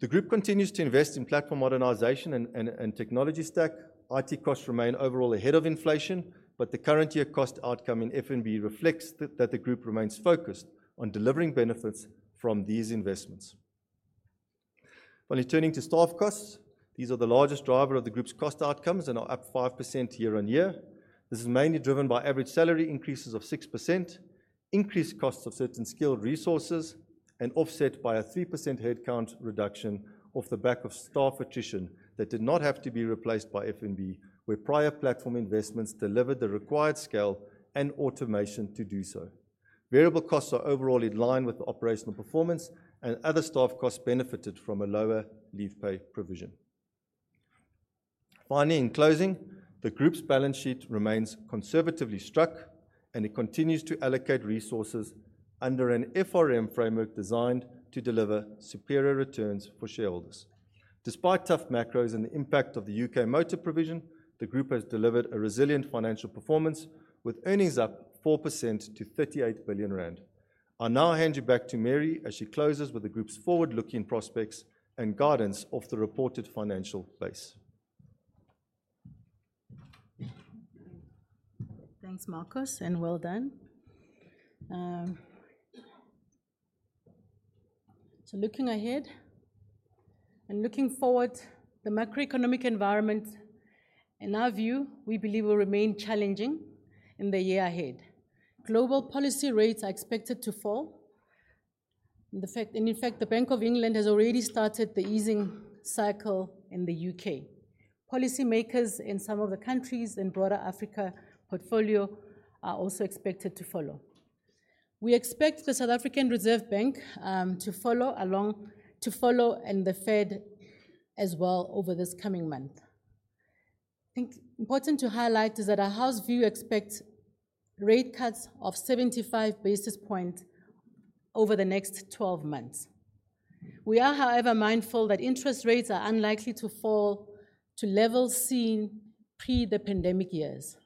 The group continues to invest in platform modernization and technology stack. IT costs remain overall ahead of inflation, but the current year cost outcome in FNB reflects that the group remains focused on delivering benefits from these investments. Finally, turning to staff costs, these are the largest driver of the group's cost outcomes and are up 5% year on year. This is mainly driven by average salary increases of 6%, increased costs of certain skilled resources, and offset by a 3% headcount reduction off the back of staff attrition that did not have to be replaced by FNB, where prior platform investments delivered the required scale and automation to do so. Variable costs are overall in line with operational performance, and other staff costs benefited from a lower leave pay provision. Finally, in closing, the group's balance sheet remains conservatively struck, and it continues to allocate resources under an FRM framework designed to deliver superior returns for shareholders. Despite tough macros and the impact of the U.K. motor provision, the group has delivered a resilient financial performance, with earnings up 4% to 38 billion rand. I'll now hand you back to Mary as she closes with the group's forward-looking prospects and guidance of the reported financials. Thanks, Markos, and well done. Looking ahead and looking forward, the macroeconomic environment, in our view, we believe will remain challenging in the year ahead. Global policy rates are expected to fall. And in fact, the Bank of England has already started the easing cycle in the U.K. Policy makers in some of the countries in broader Africa portfolio are also expected to follow. We expect the South African Reserve Bank to follow along, and the Fed as well over this coming month. I think important to highlight is that our house view expects rate cuts of seventy-five basis points over the next twelve months. We are, however, mindful that interest rates are unlikely to fall to levels seen pre the pandemic years.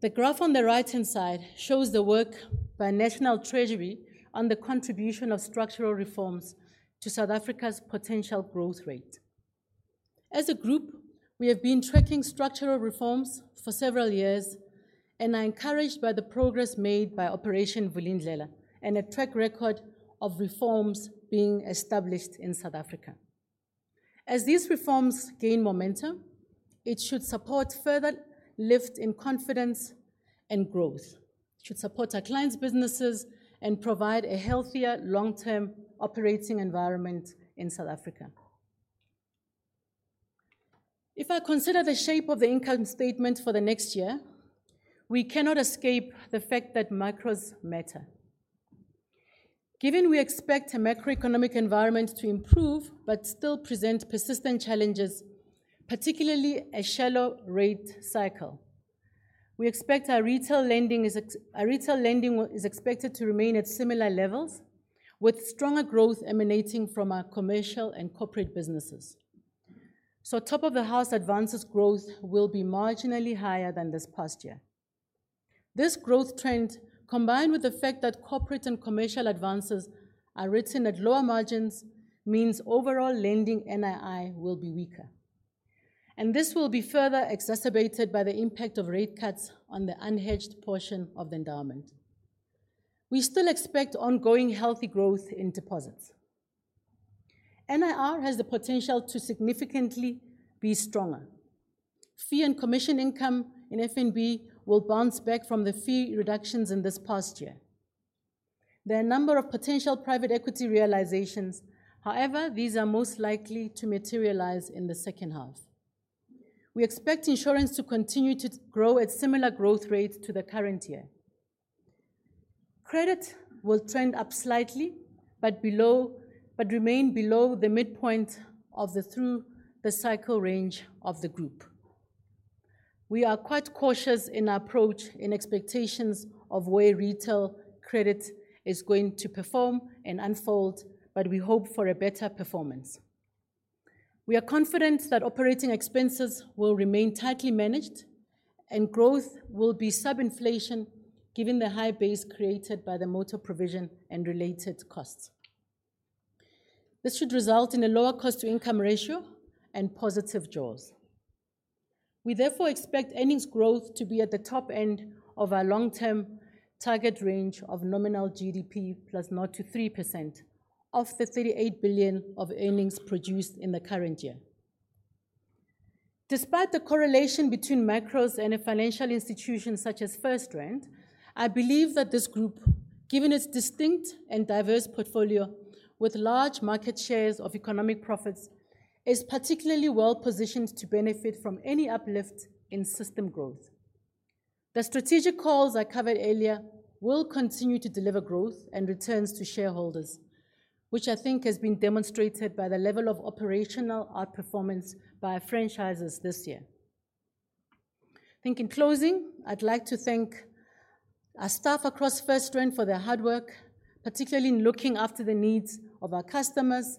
The graph on the right-hand side shows the work by National Treasury on the contribution of structural reforms to South Africa's potential growth rate. As a group, we have been tracking structural reforms for several years and are encouraged by the progress made by Operation Vulindlela and a track record of reforms being established in South Africa. As these reforms gain momentum, it should support further lift in confidence and growth. It should support our clients' businesses and provide a healthier long-term operating environment in South Africa. If I consider the shape of the income statement for the next year, we cannot escape the fact that macros matter. Given we expect a macroeconomic environment to improve but still present persistent challenges, particularly a shallow rate cycle... We expect our retail lending is expected to remain at similar levels, with stronger growth emanating from our commercial and corporate businesses, so top-of-the-house advances growth will be marginally higher than this past year. This growth trend, combined with the fact that corporate and commercial advances are written at lower margins, means overall lending NII will be weaker, and this will be further exacerbated by the impact of rate cuts on the unhedged portion of the endowment. We still expect ongoing healthy growth in deposits. NIR has the potential to significantly be stronger. Fee and commission income in FNB will bounce back from the fee reductions in this past year. There are a number of potential private equity realizations. However, these are most likely to materialize in the second half. We expect insurance to continue to grow at similar growth rates to the current year. Credit will trend up slightly, but remain below the midpoint of the through-the-cycle range of the group. We are quite cautious in our approach in expectations of where retail credit is going to perform and unfold, but we hope for a better performance. We are confident that operating expenses will remain tightly managed, and growth will be sub-inflation, given the high base created by the motor provision and related costs. This should result in a lower cost-to-income ratio and positive jaws. We therefore expect earnings growth to be at the top end of our long-term target range of nominal GDP plus 0% to 3% of the 38 billion of earnings produced in the current year. Despite the correlation between macros and a financial institution such as FirstRand, I believe that this group, given its distinct and diverse portfolio with large market shares of economic profits, is particularly well positioned to benefit from any uplift in system growth. The strategic calls I covered earlier will continue to deliver growth and returns to shareholders, which I think has been demonstrated by the level of operational outperformance by our franchises this year. I think in closing, I'd like to thank our staff across FirstRand for their hard work, particularly in looking after the needs of our customers,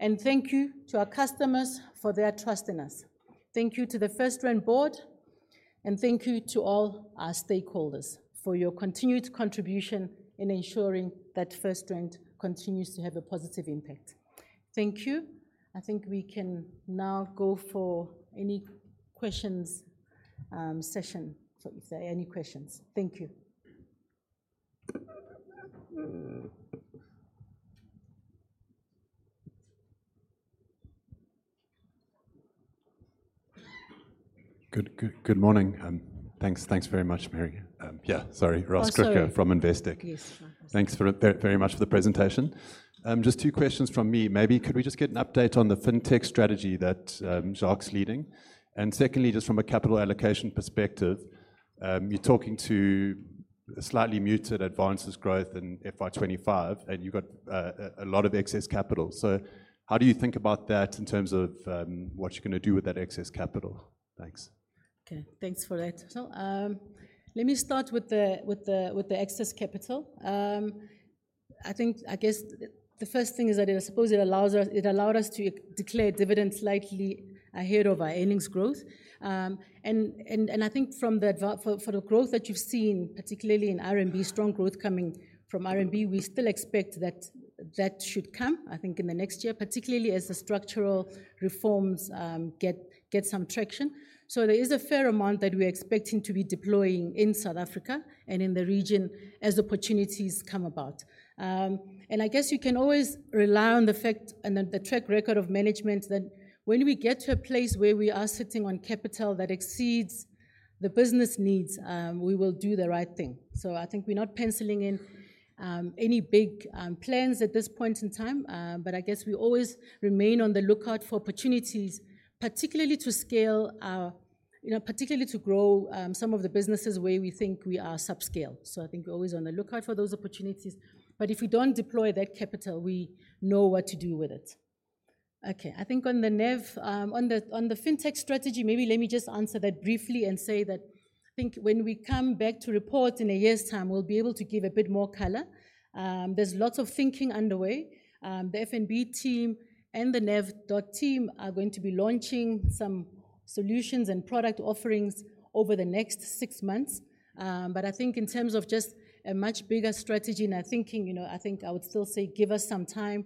and thank you to our customers for their trust in us. Thank you to the FirstRand board, and thank you to all our stakeholders for your continued contribution in ensuring that FirstRand continues to have a positive impact. Thank you. I think we can now go for any questions, session, so if there are any questions. Thank you. Good morning, thanks very much, Mary. Yeah, sorry, Ross Crocker- Oh, sorry. - from Investec. Yes. Thanks very much for the presentation. Just two questions from me. Maybe could we just get an update on the fintech strategy that Jacques's leading? And secondly, just from a capital allocation perspective, you're talking to slightly muted advances growth in FY 2025, and you've got a lot of excess capital. So how do you think about that in terms of what you're going to do with that excess capital? Thanks. Okay, thanks for that. So, let me start with the excess capital. I think I guess the first thing is that I suppose it allows us- it allowed us to declare dividend slightly ahead of our earnings growth. And I think for the growth that you've seen, particularly in RMB, strong growth coming from RMB, we still expect that should come, I think, in the next year, particularly as the structural reforms get some traction. So there is a fair amount that we're expecting to be deploying in South Africa and in the region as opportunities come about. And I guess you can always rely on the fact and the track record of management that when we get to a place where we are sitting on capital that exceeds the business needs, we will do the right thing. So I think we're not pencilling in any big plans at this point in time, but I guess we always remain on the lookout for opportunities, particularly to scale our... You know, particularly to grow some of the businesses where we think we are subscale. So I think we're always on the lookout for those opportunities, but if we don't deploy that capital, we know what to do with it. Okay, I think on the nav», on the fintech strategy, maybe let me just answer that briefly and say that I think when we come back to report in a year's time, we'll be able to give a bit more color. There's lots of thinking underway. The FNB team and the nav» team are going to be launching some solutions and product offerings over the next six months. But I think in terms of just a much bigger strategy and our thinking, you know, I think I would still say give us some time.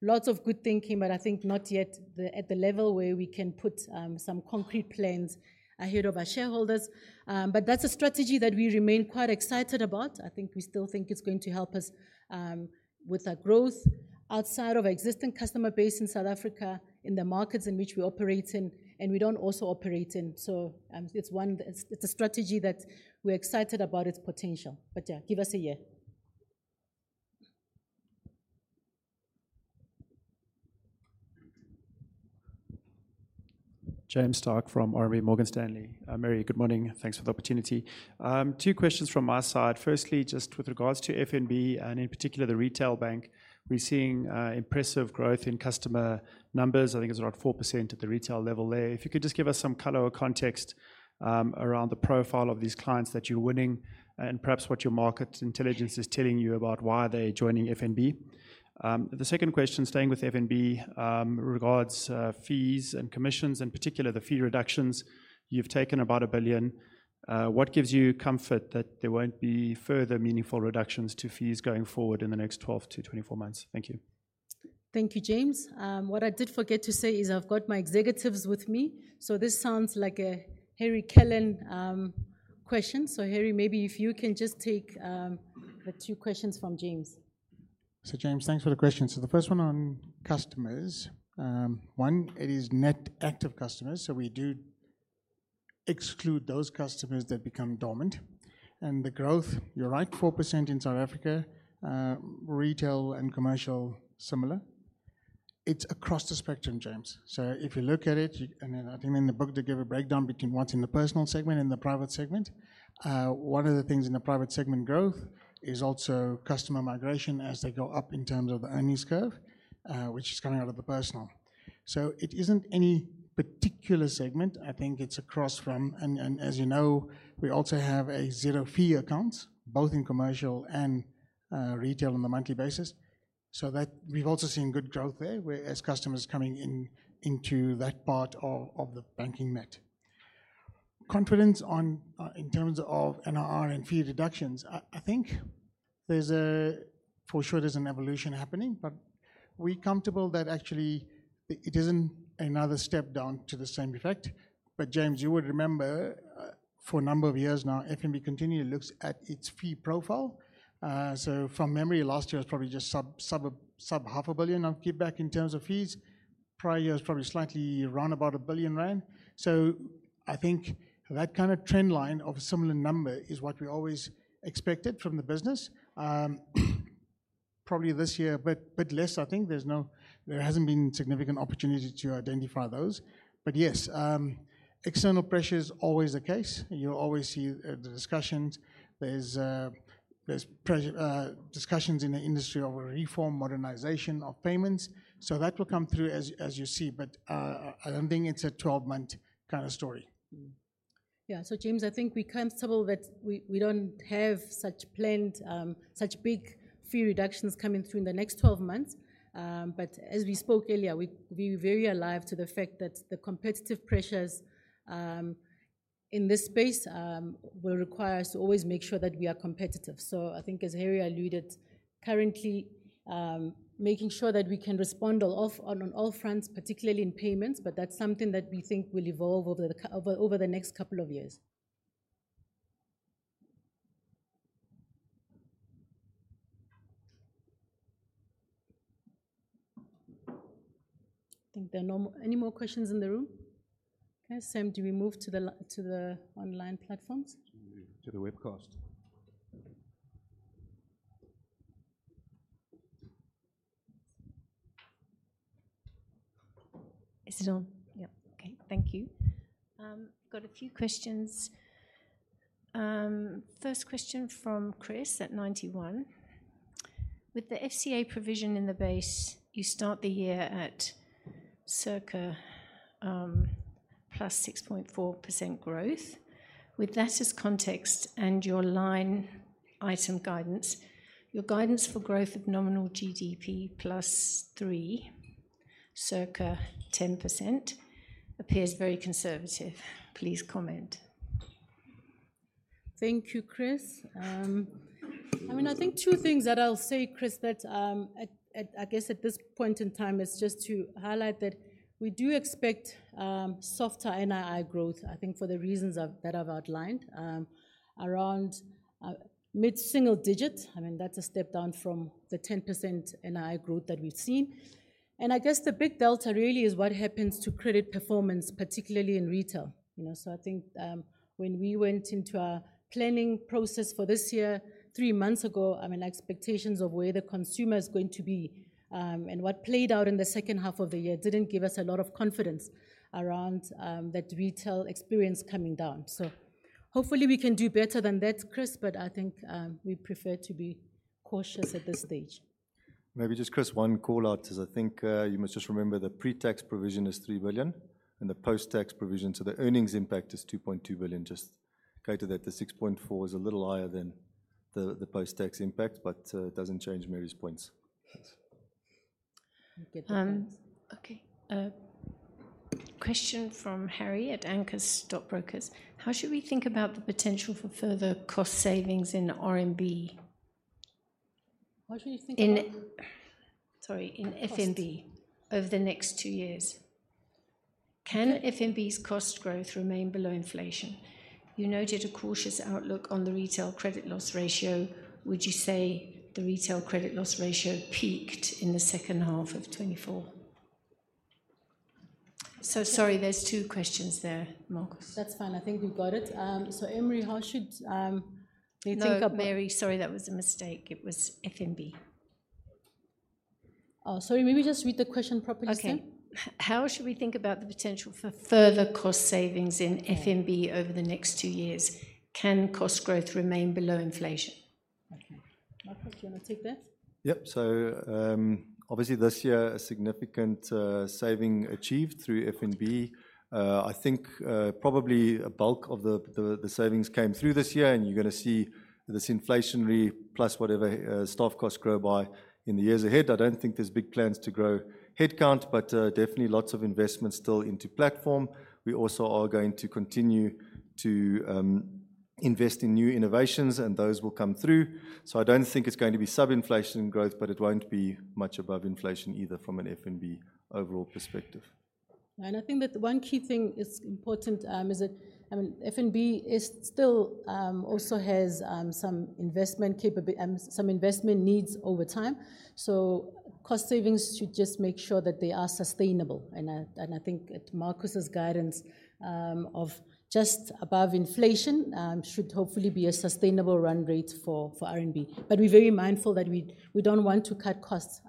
Lots of good thinking, but I think not yet at the level where we can put some concrete plans ahead of our shareholders. But that's a strategy that we remain quite excited about. I think we still think it's going to help us with our growth outside of our existing customer base in South Africa, in the markets in which we operate in, and we don't also operate in. So, it's a strategy that we're excited about its potential. But yeah, give us a year.... James Starke from RMB Morgan Stanley. Mary, good morning, thanks for the opportunity. Two questions from my side. Firstly, just with regards to FNB and in particular, the retail bank, we're seeing impressive growth in customer numbers. I think it's around 4% at the retail level there. If you could just give us some color or context around the profile of these clients that you're winning, and perhaps what your market intelligence is telling you about why they're joining FNB. The second question, staying with FNB, regards fees and commissions, in particular, the fee reductions. You've taken about R1 billion. What gives you comfort that there won't be further meaningful reductions to fees going forward in the next 12-24 months? Thank you. Thank you, James. What I did forget to say is I've got my executives with me, so this sounds like a Harry Kellan question. So Harry, maybe if you can just take the two questions from James. James, thanks for the question. The first one on customers. One, it is net active customers, so we do exclude those customers that become dormant, and the growth, you're right, 4% in South Africa, retail and commercial, similar. It's across the spectrum, James. If you look at it, and I think in the book they give a breakdown between what's in the personal segment and the private segment. One of the things in the private segment growth is also customer migration as they go up in terms of earnings curve, which is coming out of the personal. It isn't any particular segment. I think it's across from... And as you know, we also have a zero fee account, both in commercial and retail on a monthly basis. So we've also seen good growth there, where as customers coming in, into that part of, of the banking net. Confidence on, in terms of NII and fee reductions, I think there's a for sure, there's an evolution happening, but we're comfortable that actually it isn't another step down to the same effect. But James, you would remember, for a number of years now, FNB continually looks at its fee profile. So from memory, last year was probably just 500 million of giveback in terms of fees. Prior year was probably slightly around about 1 billion rand. So I think that kind of trend line of a similar number is what we always expected from the business. Probably this year, a bit less, I think. There hasn't been significant opportunity to identify those. But yes, external pressure is always the case. You'll always see the discussions. There's press discussions in the industry over reform, modernization of payments. So that will come through as you see, but I don't think it's a twelve-month kind of story. Mm-hmm. Yeah. So James, I think we're comfortable that we don't have such planned such big fee reductions coming through in the next twelve months. But as we spoke earlier, we're very alive to the fact that the competitive pressures in this space will require us to always make sure that we are competitive. So I think, as Harry alluded, currently making sure that we can respond on all fronts, particularly in payments, but that's something that we think will evolve over over the next couple of years. I think there are no more any more questions in the room? Okay, Sam, do we move to the online platforms? To the webcast. Is it on? Yeah. Okay, thank you. Got a few questions. First question from Chris at Ninety One: With the FCA provision in the base, you start the year at circa plus 6.4% growth. With that as context and your line item guidance, your guidance for growth of nominal GDP plus three, circa 10%, appears very conservative. Please comment. Thank you, Chris. I mean, I think two things that I'll say, Chris, that at I guess at this point in time is just to highlight that we do expect softer NII growth, I think for the reasons that I've outlined around mid-single digits. I mean, that's a step down from the 10% NII growth that we've seen, and I guess the big delta really is what happens to credit performance, particularly in retail, you know, so I think when we went into our planning process for this year, three months ago, I mean, expectations of where the consumer is going to be and what played out in the second half of the year didn't give us a lot of confidence around that retail experience coming down. So hopefully we can do better than that, Chris, but I think, we prefer to be cautious at this stage. Maybe just Chris, one call out is I think, you must just remember the pre-tax provision is 3 billion, and the post-tax provision to the earnings impact is 2.2 billion. Just go to that. The six point four is a little higher than the post-tax impact, but it doesn't change Mary's points. Good, thanks. Okay. Question from Harry at Anchor Stockbrokers: How should we think about the potential for further cost savings in RMB? How should we think about- In FNB over the next two years? Can FNB's cost growth remain below inflation? You noted a cautious outlook on the retail credit loss ratio. Would you say the retail credit loss ratio peaked in the second half of 2024r? So sorry, there's two questions there, Markos. That's fine. I think we've got it. So, Emrie, how should we think about- No, Mary, sorry, that was a mistake. It was FNB.... Oh, sorry, maybe just read the question properly again. Okay. How should we think about the potential for further cost savings in FNB- Yeah over the next two years? Can cost growth remain below inflation? Okay. Markos, do you want to take that? Yep. So, obviously this year, a significant saving achieved through FNB. I think probably a bulk of the savings came through this year, and you're gonna see this inflationary, plus whatever staff costs grow by in the years ahead. I don't think there's big plans to grow headcount, but definitely lots of investments still into platform. We also are going to continue to invest in new innovations, and those will come through. So I don't think it's going to be sub-inflation growth, but it won't be much above inflation either from an FNB overall perspective. I think that one key thing is important, is that, I mean, FNB is still also has some investment needs over time. So cost savings should just make sure that they are sustainable, and I think at Markos's guidance, of just above inflation, should hopefully be a sustainable run rate for RMB. But we're very mindful that we don't want to cut costs,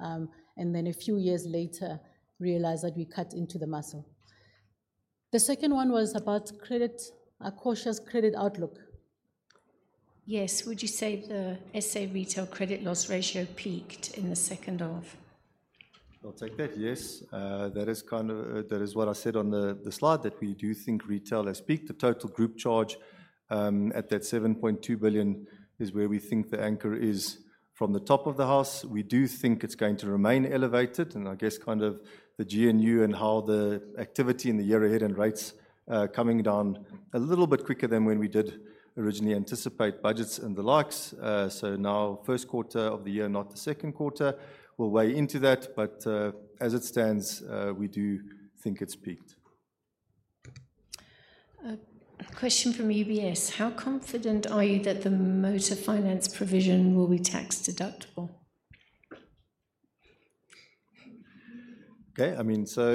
and then a few years later, realize that we cut into the muscle. The second one was about credit, a cautious credit outlook. Yes. Would you say the SA retail credit loss ratio peaked in the second half? I'll take that. Yes, that is kind of... That is what I said on the slide, that we do think retail has peaked. The total group charge at that 7.2 billion is where we think the anchor is from the top of the house. We do think it's going to remain elevated, and I guess kind of the GNU and how the activity in the year ahead and rates coming down a little bit quicker than when we did originally anticipate budgets and the likes. So now first quarter of the year, not the second quarter, will weigh into that, but as it stands, we do think it's peaked. Question from UBS: How confident are you that the motor finance provision will be tax deductible? Okay, I mean, so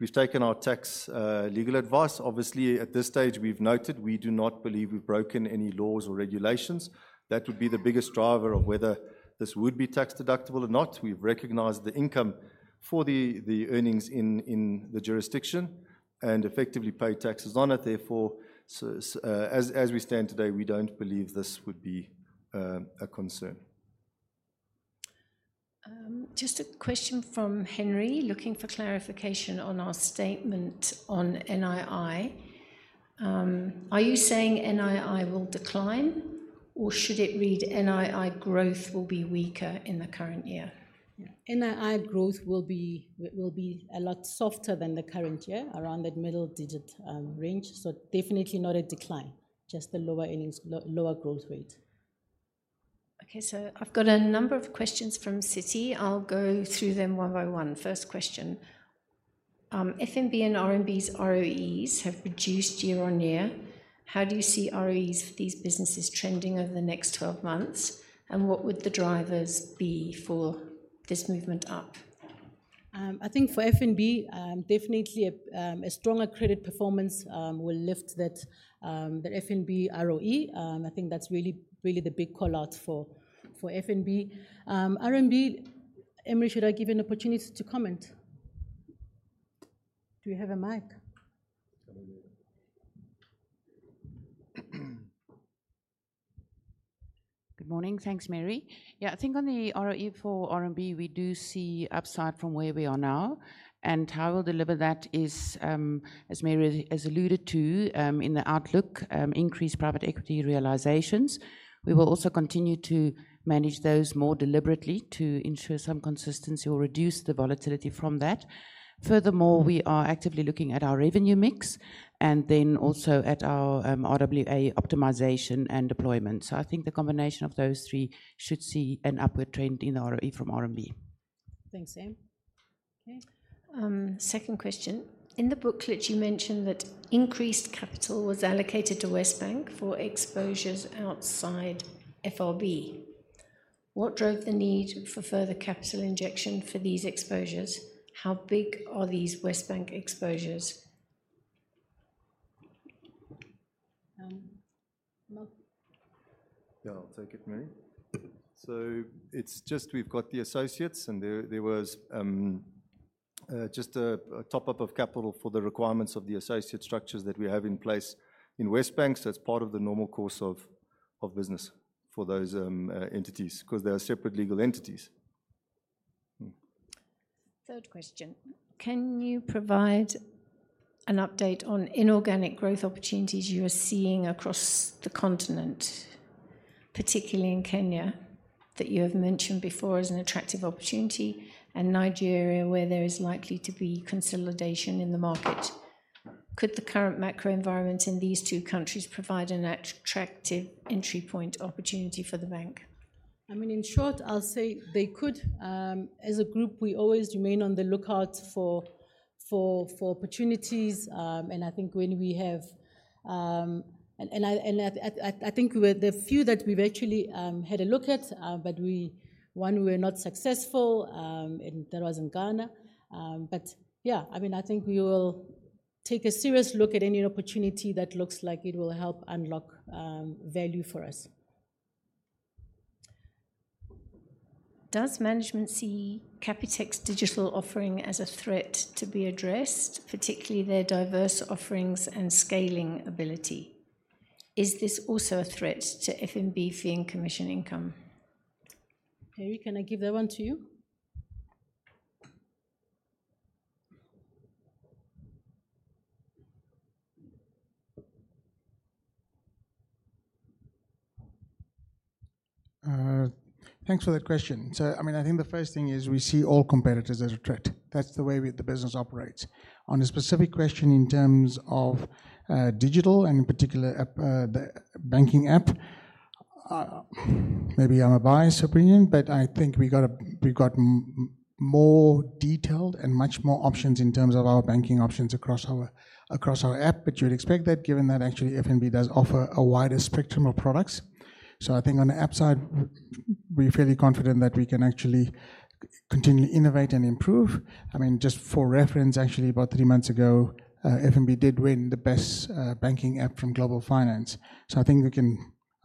we've taken our tax, legal advice. Obviously, at this stage, we've noted we do not believe we've broken any laws or regulations. That would be the biggest driver of whether this would be tax deductible or not. We've recognized the income for the earnings in the jurisdiction and effectively paid taxes on it. Therefore, so as we stand today, we don't believe this would be a concern. Just a question from Henry, looking for clarification on our statement on NII. Are you saying NII will decline, or should it read NII growth will be weaker in the current year? NII growth will be a lot softer than the current year, around that middle digit range. So definitely not a decline, just a lower earnings, lower growth rate. Okay, so I've got a number of questions from Citi. I'll go through them one by one. First question: FNB and RMB's ROEs have reduced year on year. How do you see ROEs for these businesses trending over the next twelve months, and what would the drivers be for this movement up? I think for FNB, definitely a stronger credit performance will lift that, the FNB ROE. I think that's really, really the big call-out for FNB. RMB, Emrie should I give you an opportunity to comment? Do you have a mic? It's coming there. Good morning. Thanks, Mary. Yeah, I think on the ROE for RMB, we do see upside from where we are now. And how we'll deliver that is, as Mary has alluded to, in the outlook, increased private equity realizations. We will also continue to manage those more deliberately to ensure some consistency or reduce the volatility from that. Furthermore, we are actively looking at our revenue mix and then also at our, RWA optimization and deployment. So I think the combination of those three should see an upward trend in ROE from RMB. Thanks, Em. Okay. Second question: In the booklet, you mentioned that increased capital was allocated to WesBank for exposures outside FRB. What drove the need for further capital injection for these exposures? How big are these WesBank exposures? Um, Mark? Yeah, I'll take it, Mary. So it's just we've got the associates, and there was just a top-up of capital for the requirements of the associate structures that we have in place in WesBank. So it's part of the normal course of business for those entities, 'cause they are separate legal entities. Mm. Third question: Can you provide an update on inorganic growth opportunities you are seeing across the continent, particularly in Kenya, that you have mentioned before as an attractive opportunity, and Nigeria, where there is likely to be consolidation in the market? Could the current macro environment in these two countries provide an attractive entry point opportunity for the bank? I mean, in short, I'll say they could. As a group, we always remain on the lookout for opportunities. I think we were the few that we've actually had a look at, but one, we were not successful, and that was in Ghana. Yeah, I mean, I think we will take a serious look at any opportunity that looks like it will help unlock value for us. Does management see Capitec's digital offering as a threat to be addressed, particularly their diverse offerings and scaling ability? Is this also a threat to FNB fee and commission income? Harry, can I give that one to you? Thanks for that question. So, I mean, I think the first thing is we see all competitors as a threat. That's the way we, the business operates. On a specific question in terms of digital and in particular app, the banking app, maybe it's a biased opinion, but I think we've got more detailed and much more options in terms of our banking options across our, across our app. But you'd expect that, given that actually FNB does offer a wider spectrum of products. So I think on the app side, we're fairly confident that we can actually continually innovate and improve. I mean, just for reference, actually, about three months ago, FNB did win the best banking app from Global Finance.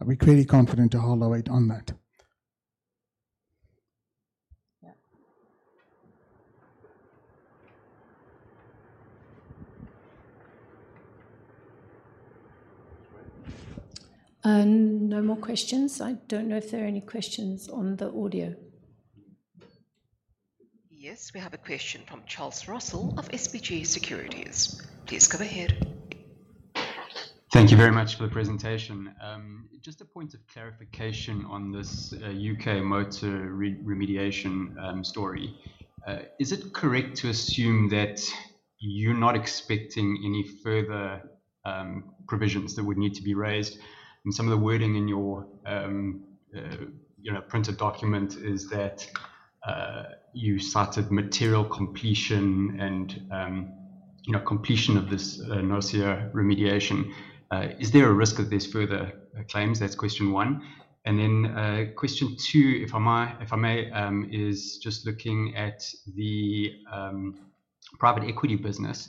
So I think we can... We're clearly confident to hold our own on that. Yeah. No more questions. I don't know if there are any questions on the audio. Yes, we have a question from Charles Russell of SBG Securities. Please go ahead. Thank you very much for the presentation. Just a point of clarification on this, U.K. motor remediation story. Is it correct to assume that you're not expecting any further provisions that would need to be raised? And some of the wording in your, you know, printed document is that you cited material completion and, you know, completion of this NOSIA remediation. Is there a risk of further claims? That's question one. And then, question two, if I might, if I may, is just looking at the private equity business.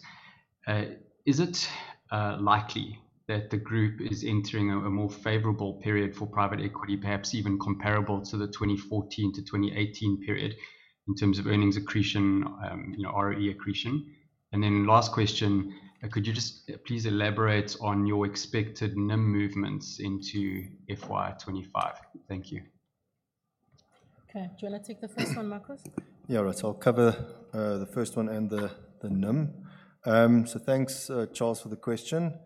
Is it likely that the group is entering a more favorable period for private equity, perhaps even comparable to the twenty fourteen to twenty eighteen period, in terms of earnings accretion, you know, ROE accretion? And then last question, could you just please elaborate on your expected NIM movements into FY 2025? Thank you. Okay. Do you want to take the first one, Markos? Yeah, right. So I'll cover the first one and the NIM. So thanks, Charles, for the question.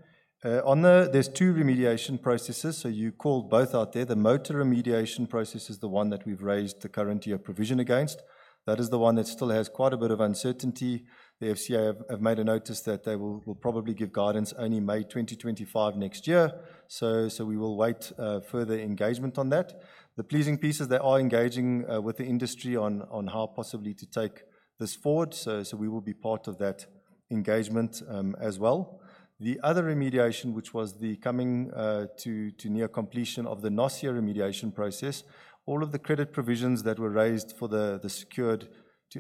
On the... There's two remediation processes, so you called both out there. The motor remediation process is the one that we've raised the current year provision against. That is the one that still has quite a bit of uncertainty. The FCA have made a notice that they will probably give guidance only May 2025. So we will wait further engagement on that. The pleasing piece is they are engaging with the industry on how possibly to take this forward, so we will be part of that engagement as well. The other remediation, which was the coming to near completion of the Nocia remediation process. All of the credit provisions that were raised for the secured to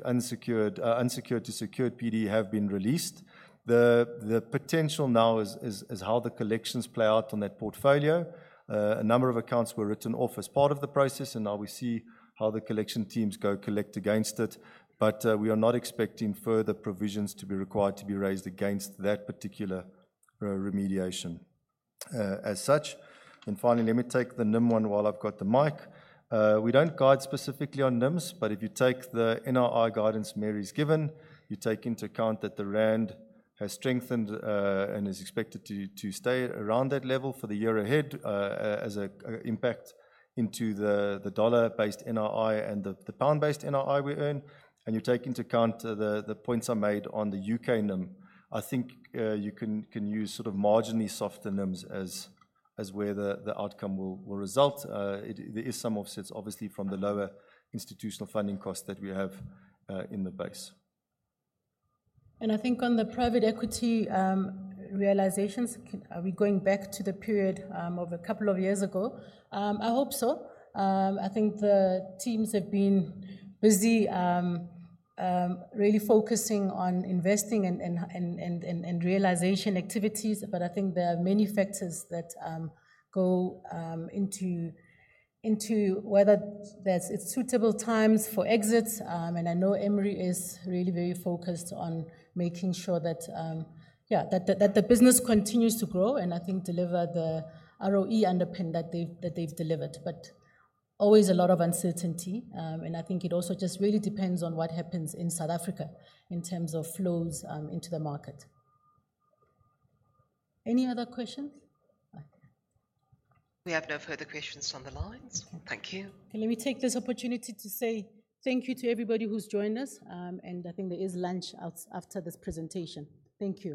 unsecured, unsecured to secured PD have been released. The potential now is how the collections play out on that portfolio. A number of accounts were written off as part of the process, and now we see how the collection teams go collect against it. But we are not expecting further provisions to be required to be raised against that particular remediation as such. And finally, let me take the NIM one while I've got the mic. We don't guide specifically on NIMs, but if you take the NII guidance Mary's given, you take into account that the rand has strengthened and is expected to stay around that level for the year ahead as an impact into the dollar-based NII and the pound-based NII we earn, and you take into account the points I made on the U.K. NIM. I think you can use sort of marginally softer NIMs as where the outcome will result. There is some offsets, obviously, from the lower institutional funding costs that we have in the base. And I think on the private equity realizations, are we going back to the period of a couple of years ago? I hope so. I think the teams have been busy really focusing on investing and realization activities. But I think there are many factors that go into whether that's suitable times for exits. And I know Emrie is really very focused on making sure that, yeah, that the business continues to grow, and I think deliver the ROE underpin that they've delivered. But always a lot of uncertainty, and I think it also just really depends on what happens in South Africa in terms of flows into the market. Any other questions? Right. We have no further questions on the lines. Thank you. Let me take this opportunity to say thank you to everybody who's joined us, and I think there is lunch after this presentation. Thank you.